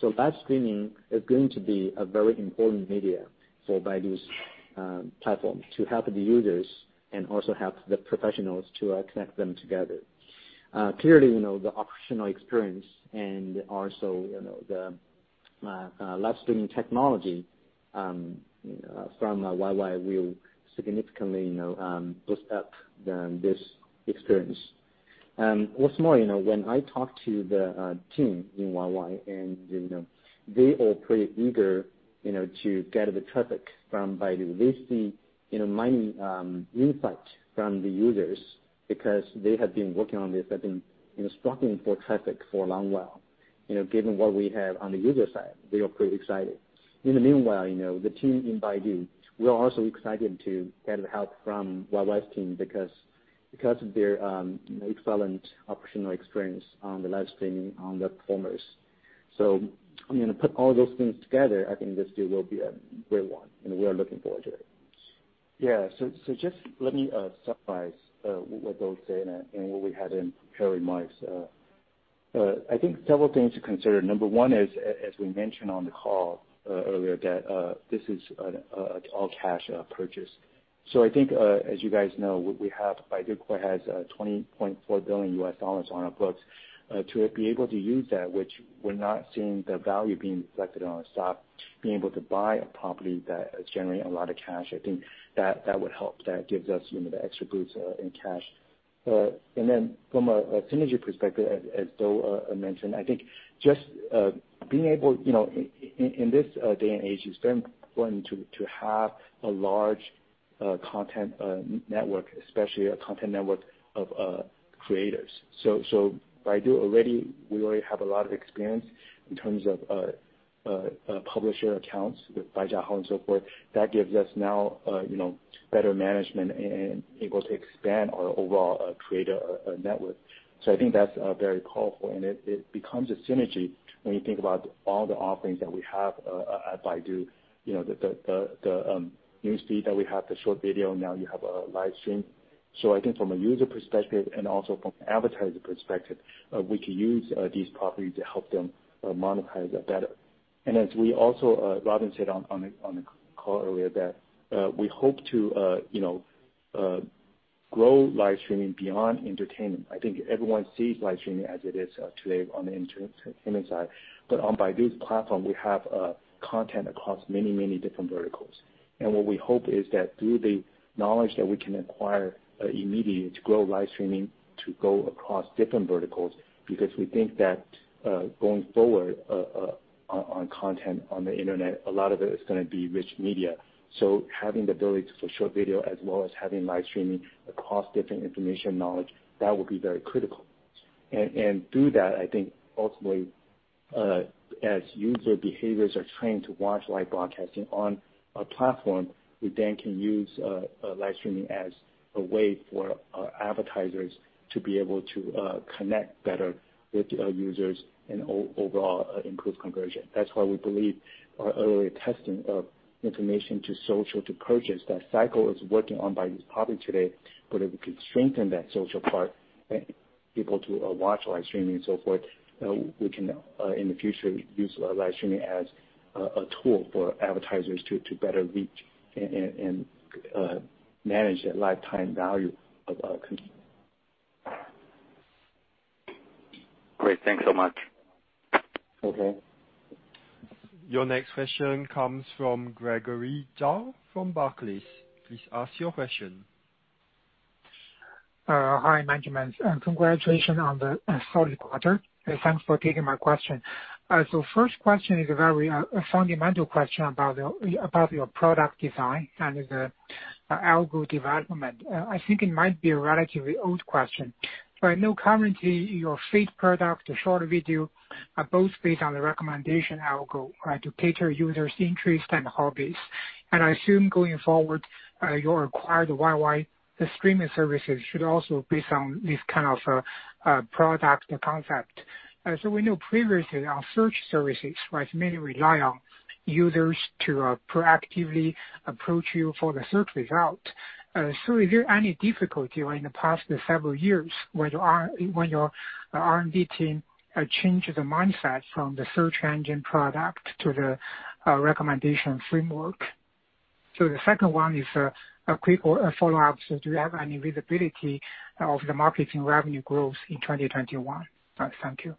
Live streaming is going to be a very important media for Baidu's platform to help the users and also help the professionals to connect them together. Clearly, the operational experience and also the live streaming technology from YY will significantly boost up this experience. When I talk to the team in YY, and they are pretty eager to get the traffic from Baidu. They see mining insight from the users because they have been working on this, have been struggling for traffic for a long while. Given what we have on the user side, they are pretty excited. In the meanwhile, the team in Baidu, we're also excited to get the help from YY's team because of their excellent operational experience on the live streaming, on the performers. Put all those things together, I think this deal will be a great one, and we are looking forward to it. Yeah. Just let me summarize what Dou said and what we had in prepared remarks. I think several things to consider. Number one is, as we mentioned on the call earlier, that this is an all-cash purchase. I think, as you guys know, Baidu quite has $20.4 billion on our books. To be able to use that, which we're not seeing the value being reflected on our stock, being able to buy a property that is generating a lot of cash, I think that would help. That gives us the extra boost in cash. From a synergy perspective, as Dou mentioned, I think just being able, in this day and age, it's very important to have a large content network, especially a content network of creators. Baidu, we already have a lot of experience in terms of publisher accounts with Baijiahao and so forth. That gives us now better management and able to expand our overall creator network. I think that's very powerful, and it becomes a synergy when you think about all the offerings that we have at Baidu. The newsfeed that we have, the short video, now you have a live stream. I think from a user perspective and also from advertiser perspective, we can use these properties to help them monetize better. As Robin said on the call earlier, that we hope to grow live streaming beyond entertainment. I think everyone sees live streaming as it is today on the entertainment side. On Baidu's platform, we have content across many, many different verticals. What we hope is that through the knowledge that we can acquire immediately to grow live streaming to go across different verticals, because we think that going forward on content on the internet, a lot of it is going to be rich media. Having the ability for short video as well as having live streaming across different information knowledge, that will be very critical. Through that, I think ultimately, as user behaviors are trained to watch live broadcasting on a platform, we then can use live streaming as a way for advertisers to be able to connect better with users and overall improve conversion. That's why we believe our early testing of information to social to purchase, that cycle is working on Baidu's property today. If we can strengthen that social part, people to watch live streaming and so forth, we can, in the future, use live streaming as a tool for advertisers to better reach and manage that lifetime value of our consumer. Great. Thanks so much. Okay. Your next question comes from Gregory Zhao from Barclays. Please ask your question. Hi, management. Congratulations on the solid quarter, and thanks for taking my question. First question is a very fundamental question about your product design and the algo development. I think it might be a relatively old question, but I know currently your feed product, the short video, are both based on the recommendation algo to cater users' interest and hobbies. I assume going forward, your acquired YY, the streaming services, should also be based on this kind of product concept. We know previously our search services mainly rely on users to proactively approach you for the search result. Is there any difficulty in the past several years when your R&D team changed the mindset from the search engine product to the recommendation framework? The second one is a quick follow-up. Do you have any visibility of the marketing revenue growth in 2021? Thank you.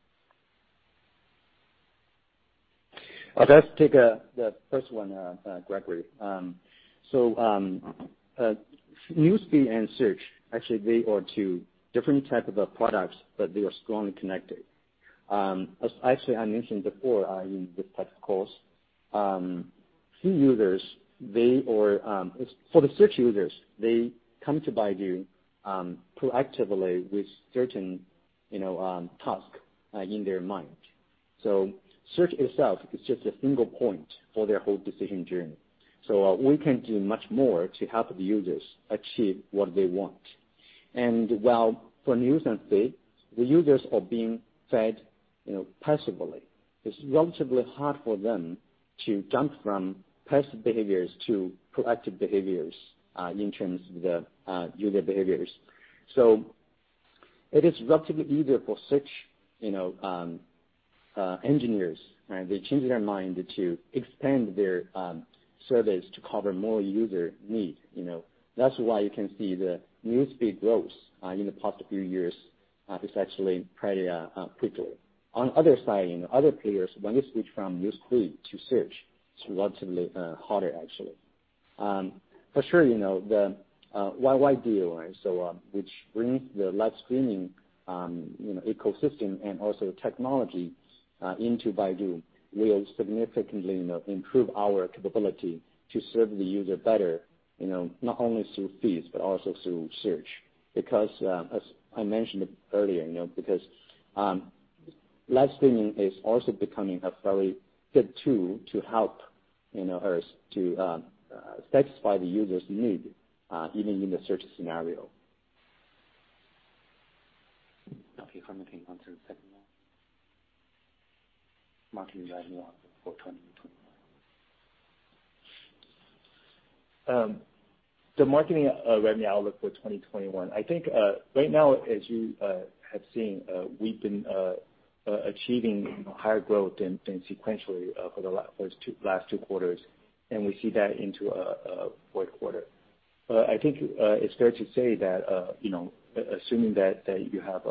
Let's take the first one, Gregory. Newsfeed and Search, actually, they are two different type of products, but they are strongly connected. As actually I mentioned before in this technicals, for the search users, they come to Baidu proactively with certain tasks in their mind. Search itself is just a single point for their whole decision journey. We can do much more to help the users achieve what they want. While for Newsfeed, the users are being fed passively. It's relatively hard for them to jump from passive behaviors to proactive behaviors in terms of the user behaviors. It is relatively easier for search engineers. They changed their mind to extend their service to cover more user need. That's why you can see the Newsfeed growth in the past few years is actually pretty quickly. On other side, other players, when you switch from Newsfeed to Search, it's relatively harder, actually. For sure, the YY deal, which brings the live streaming ecosystem and also technology into Baidu, will significantly improve our capability to serve the user better, not only through feeds but also through search. As I mentioned earlier, live streaming is also becoming a very good tool to help us to satisfy the user's need, even in the search scenario. If you can repeat the second one? Marketing revenue outlook for 2021. The marketing revenue outlook for 2021. I think right now, as you have seen, we've been achieving higher growth than sequentially for the last two quarters, and we see that into fourth quarter. I think it's fair to say that, assuming that you have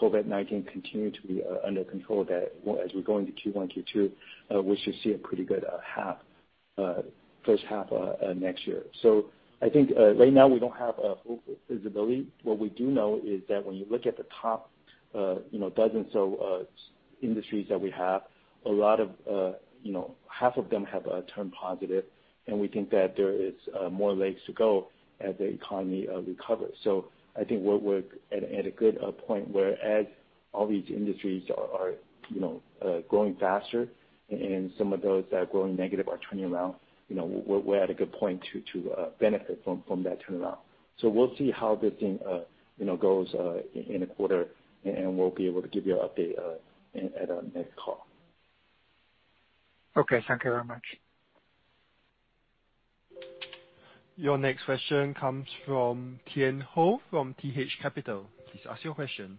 COVID-19 continue to be under control, that as we go into Q1, Q2, we should see a pretty good first half of next year. I think right now we don't have full visibility. What we do know is that when you look at the top dozen so industries that we have, half of them have turned positive, and we think that there is more legs to go as the economy recovers. I think we're at a good point where as all these industries are growing faster and some of those that are growing negative are turning around, we're at a good point to benefit from that turnaround. We'll see how this thing goes in a quarter, and we'll be able to give you an update at our next call. Okay, thank you very much. Your next question comes from Tian Hou from TH Capital. Please ask your question.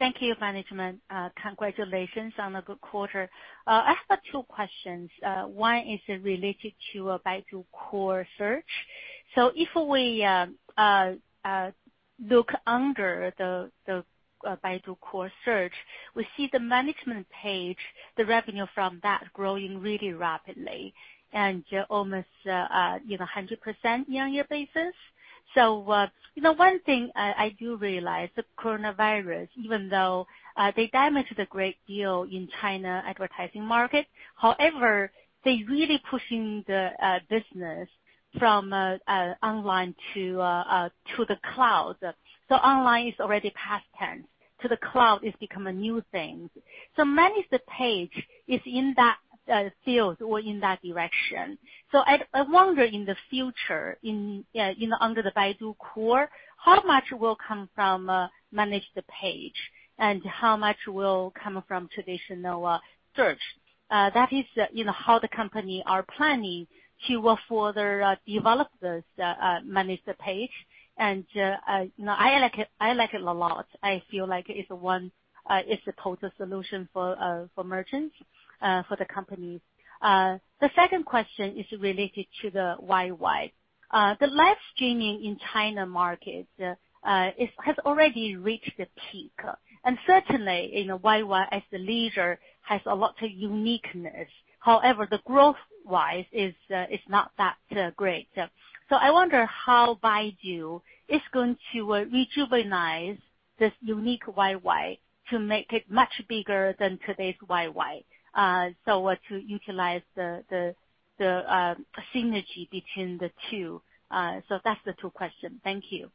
Thank you, management. Congratulations on a good quarter. I have two questions. One is related to Baidu Core search. If we look under the Baidu Core search, we see the Managed Page, the revenue from that growing really rapidly and almost 100% year-on-year basis. One thing I do realize, the coronavirus, even though they damaged a great deal in China advertising market, however, they really pushing the business from online to the cloud. Online is already past tense. To the cloud is become a new thing. Managed Page is in that field or in that direction. I wonder in the future, under the Baidu Core, how much will come from Managed Page and how much will come from traditional search? That is how the company are planning to further develop this Managed Page. I like it a lot. I feel like it's a total solution for merchants, for the companies. The second question is related to YY. The live streaming in China market has already reached the peak. Certainly, YY as the leader has a lot of uniqueness. However, the growth-wise is not that great. I wonder how Baidu is going to rejuvenize this unique YY to make it much bigger than today's YY. To utilize the synergy between the two. That's the two questions. Thank you.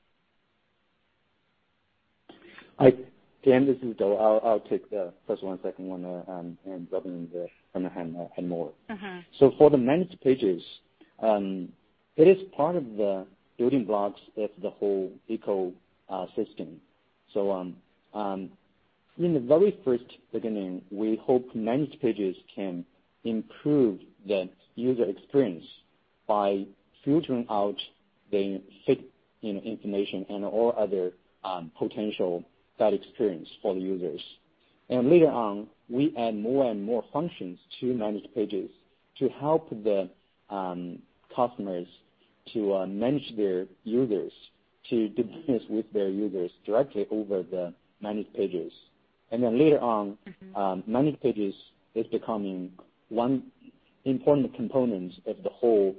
Hi. Tian, this is Dou. I'll take the first one, second one, and Robin can handle more. For the Managed Pages, it is part of the building blocks of the whole ecosystem. In the very first beginning, we hope Managed Pages can improve the user experience by filtering out the fake information and all other potential bad experience for the users. Later on, we add more and more functions to Managed Pages to help the customers to manage their users, to do business with their users directly over the Managed Pages. Later on. Managed Page is becoming one important component of the whole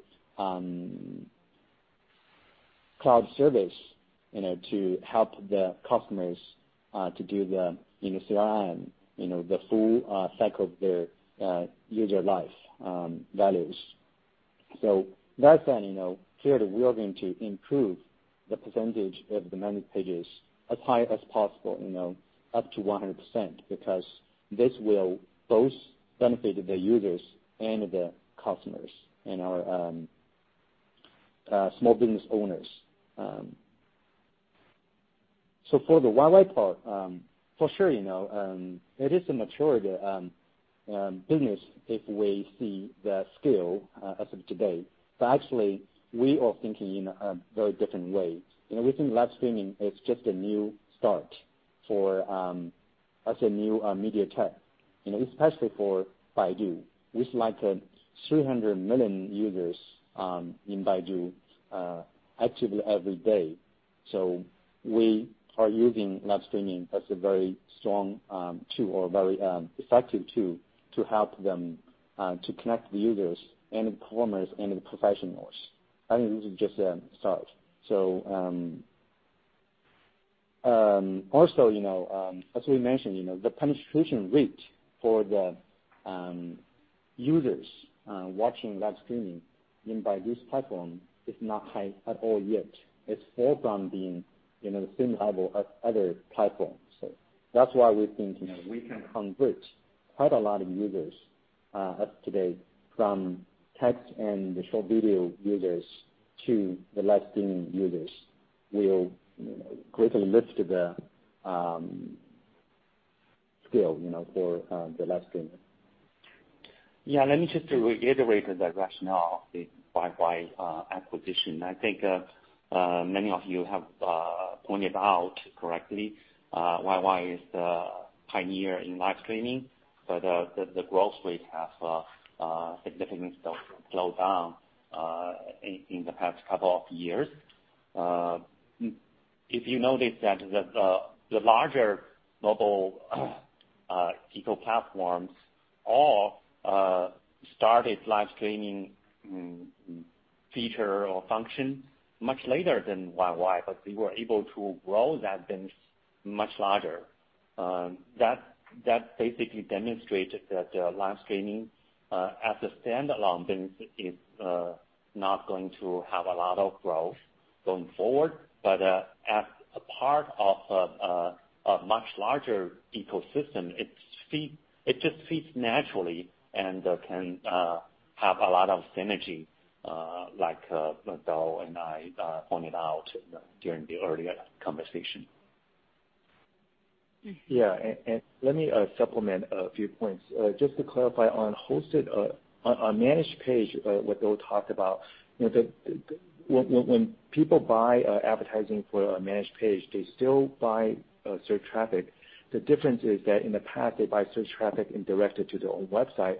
cloud service, to help the customers to do the CRM, the full cycle of their user life values. That said, clearly, we are going to improve the percentage of the Managed Page as high as possible, up to 100%, because this will both benefit the users and the customers and our small business owners. For the YY part, for sure, it is a mature business if we see the scale as of today. Actually, we are thinking in a very different way. We think live streaming is just a new start as a new media tech, especially for Baidu, with 300 million users in Baidu actively every day. We are using live streaming as a very strong tool or very effective tool to help them to connect the users and the performers and the professionals. I think this is just a start. Also, as we mentioned, the penetration rate for the users watching live streaming in Baidu's platform is not high at all yet. It's far from being the same level as other platforms. That's why we think we can convert quite a lot of users as of today from text and the short video users to the live streaming users will greatly lift the scale for the live streaming. Let me just reiterate the rationale of the YY acquisition. I think many of you have pointed out correctly, YY is the pioneer in live streaming, but the growth rate has significantly slowed down in the past couple of years. If you notice that the larger mobile eco platforms all started live streaming feature or function much later than YY, but they were able to grow that business much larger. That basically demonstrated that the live streaming as a standalone business is not going to have a lot of growth going forward. As a part of a much larger ecosystem, it just fits naturally and can have a lot of synergy, like Dou and I pointed out during the earlier conversation. Yeah. Let me supplement a few points. Just to clarify on Managed Page, what Dou talked about. When people buy advertising for a Managed Page, they still buy search traffic. The difference is that in the past, they buy search traffic and direct it to their own website,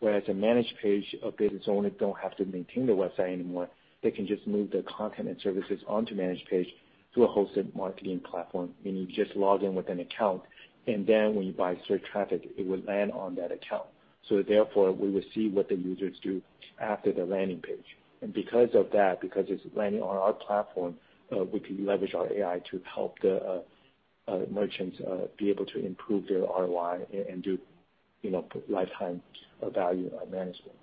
whereas a Managed Page, a business owner don't have to maintain the website anymore. They can just move their content and services onto Managed Page to a hosted marketing platform, and you just log in with an account, and then when you buy search traffic, it would land on that account. Therefore, we will see what the users do after the landing page. Because of that, because it's landing on our platform, we can leverage our AI to help the merchants be able to improve their ROI and do lifetime value management.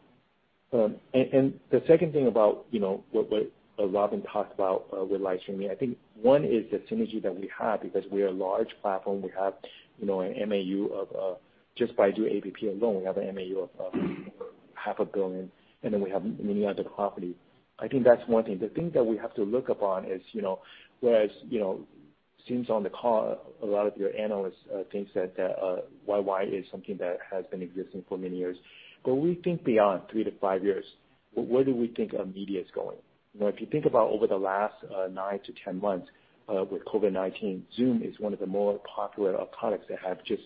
The second thing about what Robin talked about with live streaming, I think one is the synergy that we have because we are a large platform. We have an MAU of just Baidu App alone, we have an MAU of half a billion, and then we have many other properties. I think that's one thing. The thing that we have to look upon is, whereas it seems on the call, a lot of your analysts think that YY is something that has been existing for many years, but we think beyond three to five years. Where do we think our media is going? If you think about over the last 9-10 months with COVID-19, Zoom is one of the more popular products that have just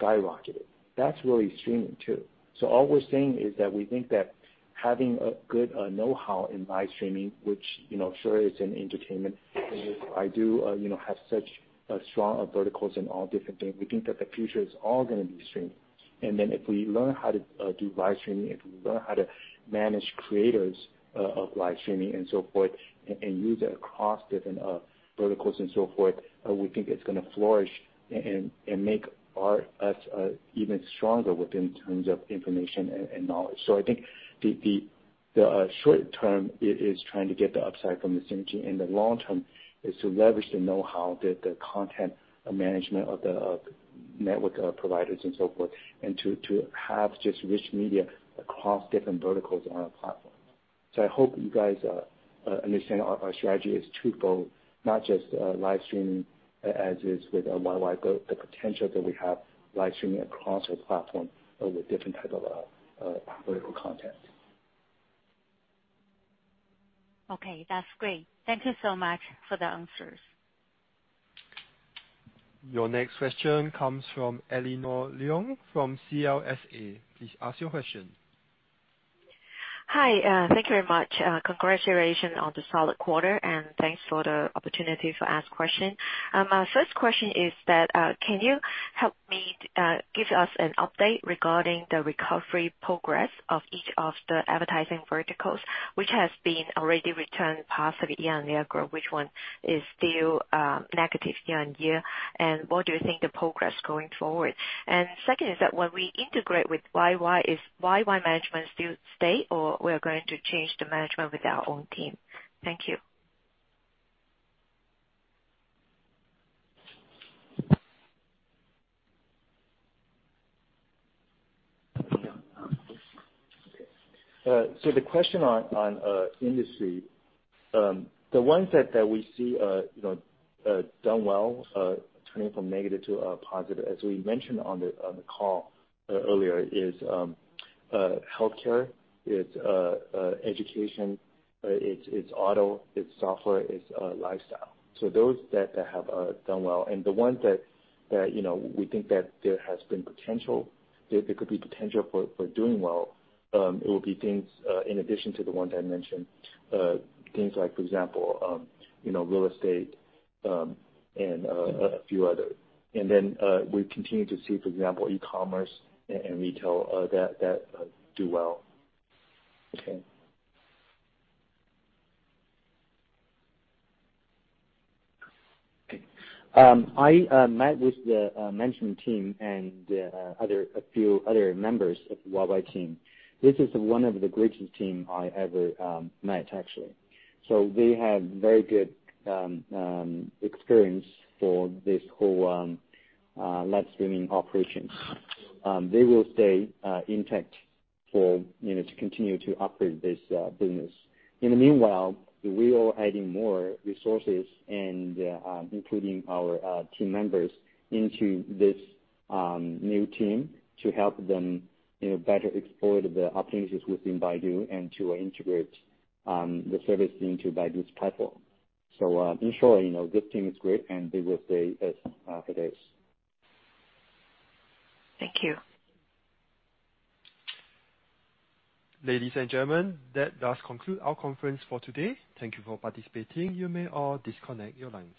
skyrocketed. That's really streaming too. All we're saying is that we think that having a good knowhow in live streaming, which sure is in entertainment. Baidu have such strong verticals in all different things. We think that the future is all going to be streaming. If we learn how to do live streaming, if we learn how to manage creators of live streaming and so forth, and use it across different verticals and so forth, we think it's going to flourish and make us even stronger within terms of information and knowledge. I think the short-term, it is trying to get the upside from the synergy, and the long-term is to leverage the knowhow that the content management of the network providers and so forth, and to have just rich media across different verticals on our platform. I hope you guys understand our strategy is twofold, not just live streaming as is with YY, but the potential that we have live streaming across our platform with different type of vertical content. Okay, that's great. Thank you so much for the answers. Your next question comes from Elinor Leung from CLSA. Please ask your question. Hi. Thank you very much. Congratulations on the solid quarter, and thanks for the opportunity for ask question. First question is that, can you help me give us an update regarding the recovery progress of each of the advertising verticals, which has been already returned positive year-on-year growth? What do you think the progress going forward? Second is that when we integrate with YY, is YY management still stay, or we're going to change the management with our own team? Thank you. The question on industry. The ones that we see done well, turning from negative to positive, as we mentioned on the call earlier, is healthcare, it's education, it's auto, it's software, it's lifestyle. Those that have done well. The ones that we think that there could be potential for doing well, it will be things in addition to the ones I mentioned, things like, for example real estate, and a few others. Then we continue to see, for example, e-commerce and retail that do well. Okay. I met with the management team and a few other members of YY team. This is one of the greatest team I ever met, actually. They have very good experience for this whole live streaming operation. They will stay intact to continue to operate this business. In the meanwhile, we are adding more resources and including our team members into this new team to help them better exploit the opportunities within Baidu and to integrate the service into Baidu's platform. In short, this team is great, and they will stay as it is. Thank you. Ladies and gentlemen, that does conclude our conference for today. Thank you for participating. You may all disconnect your lines.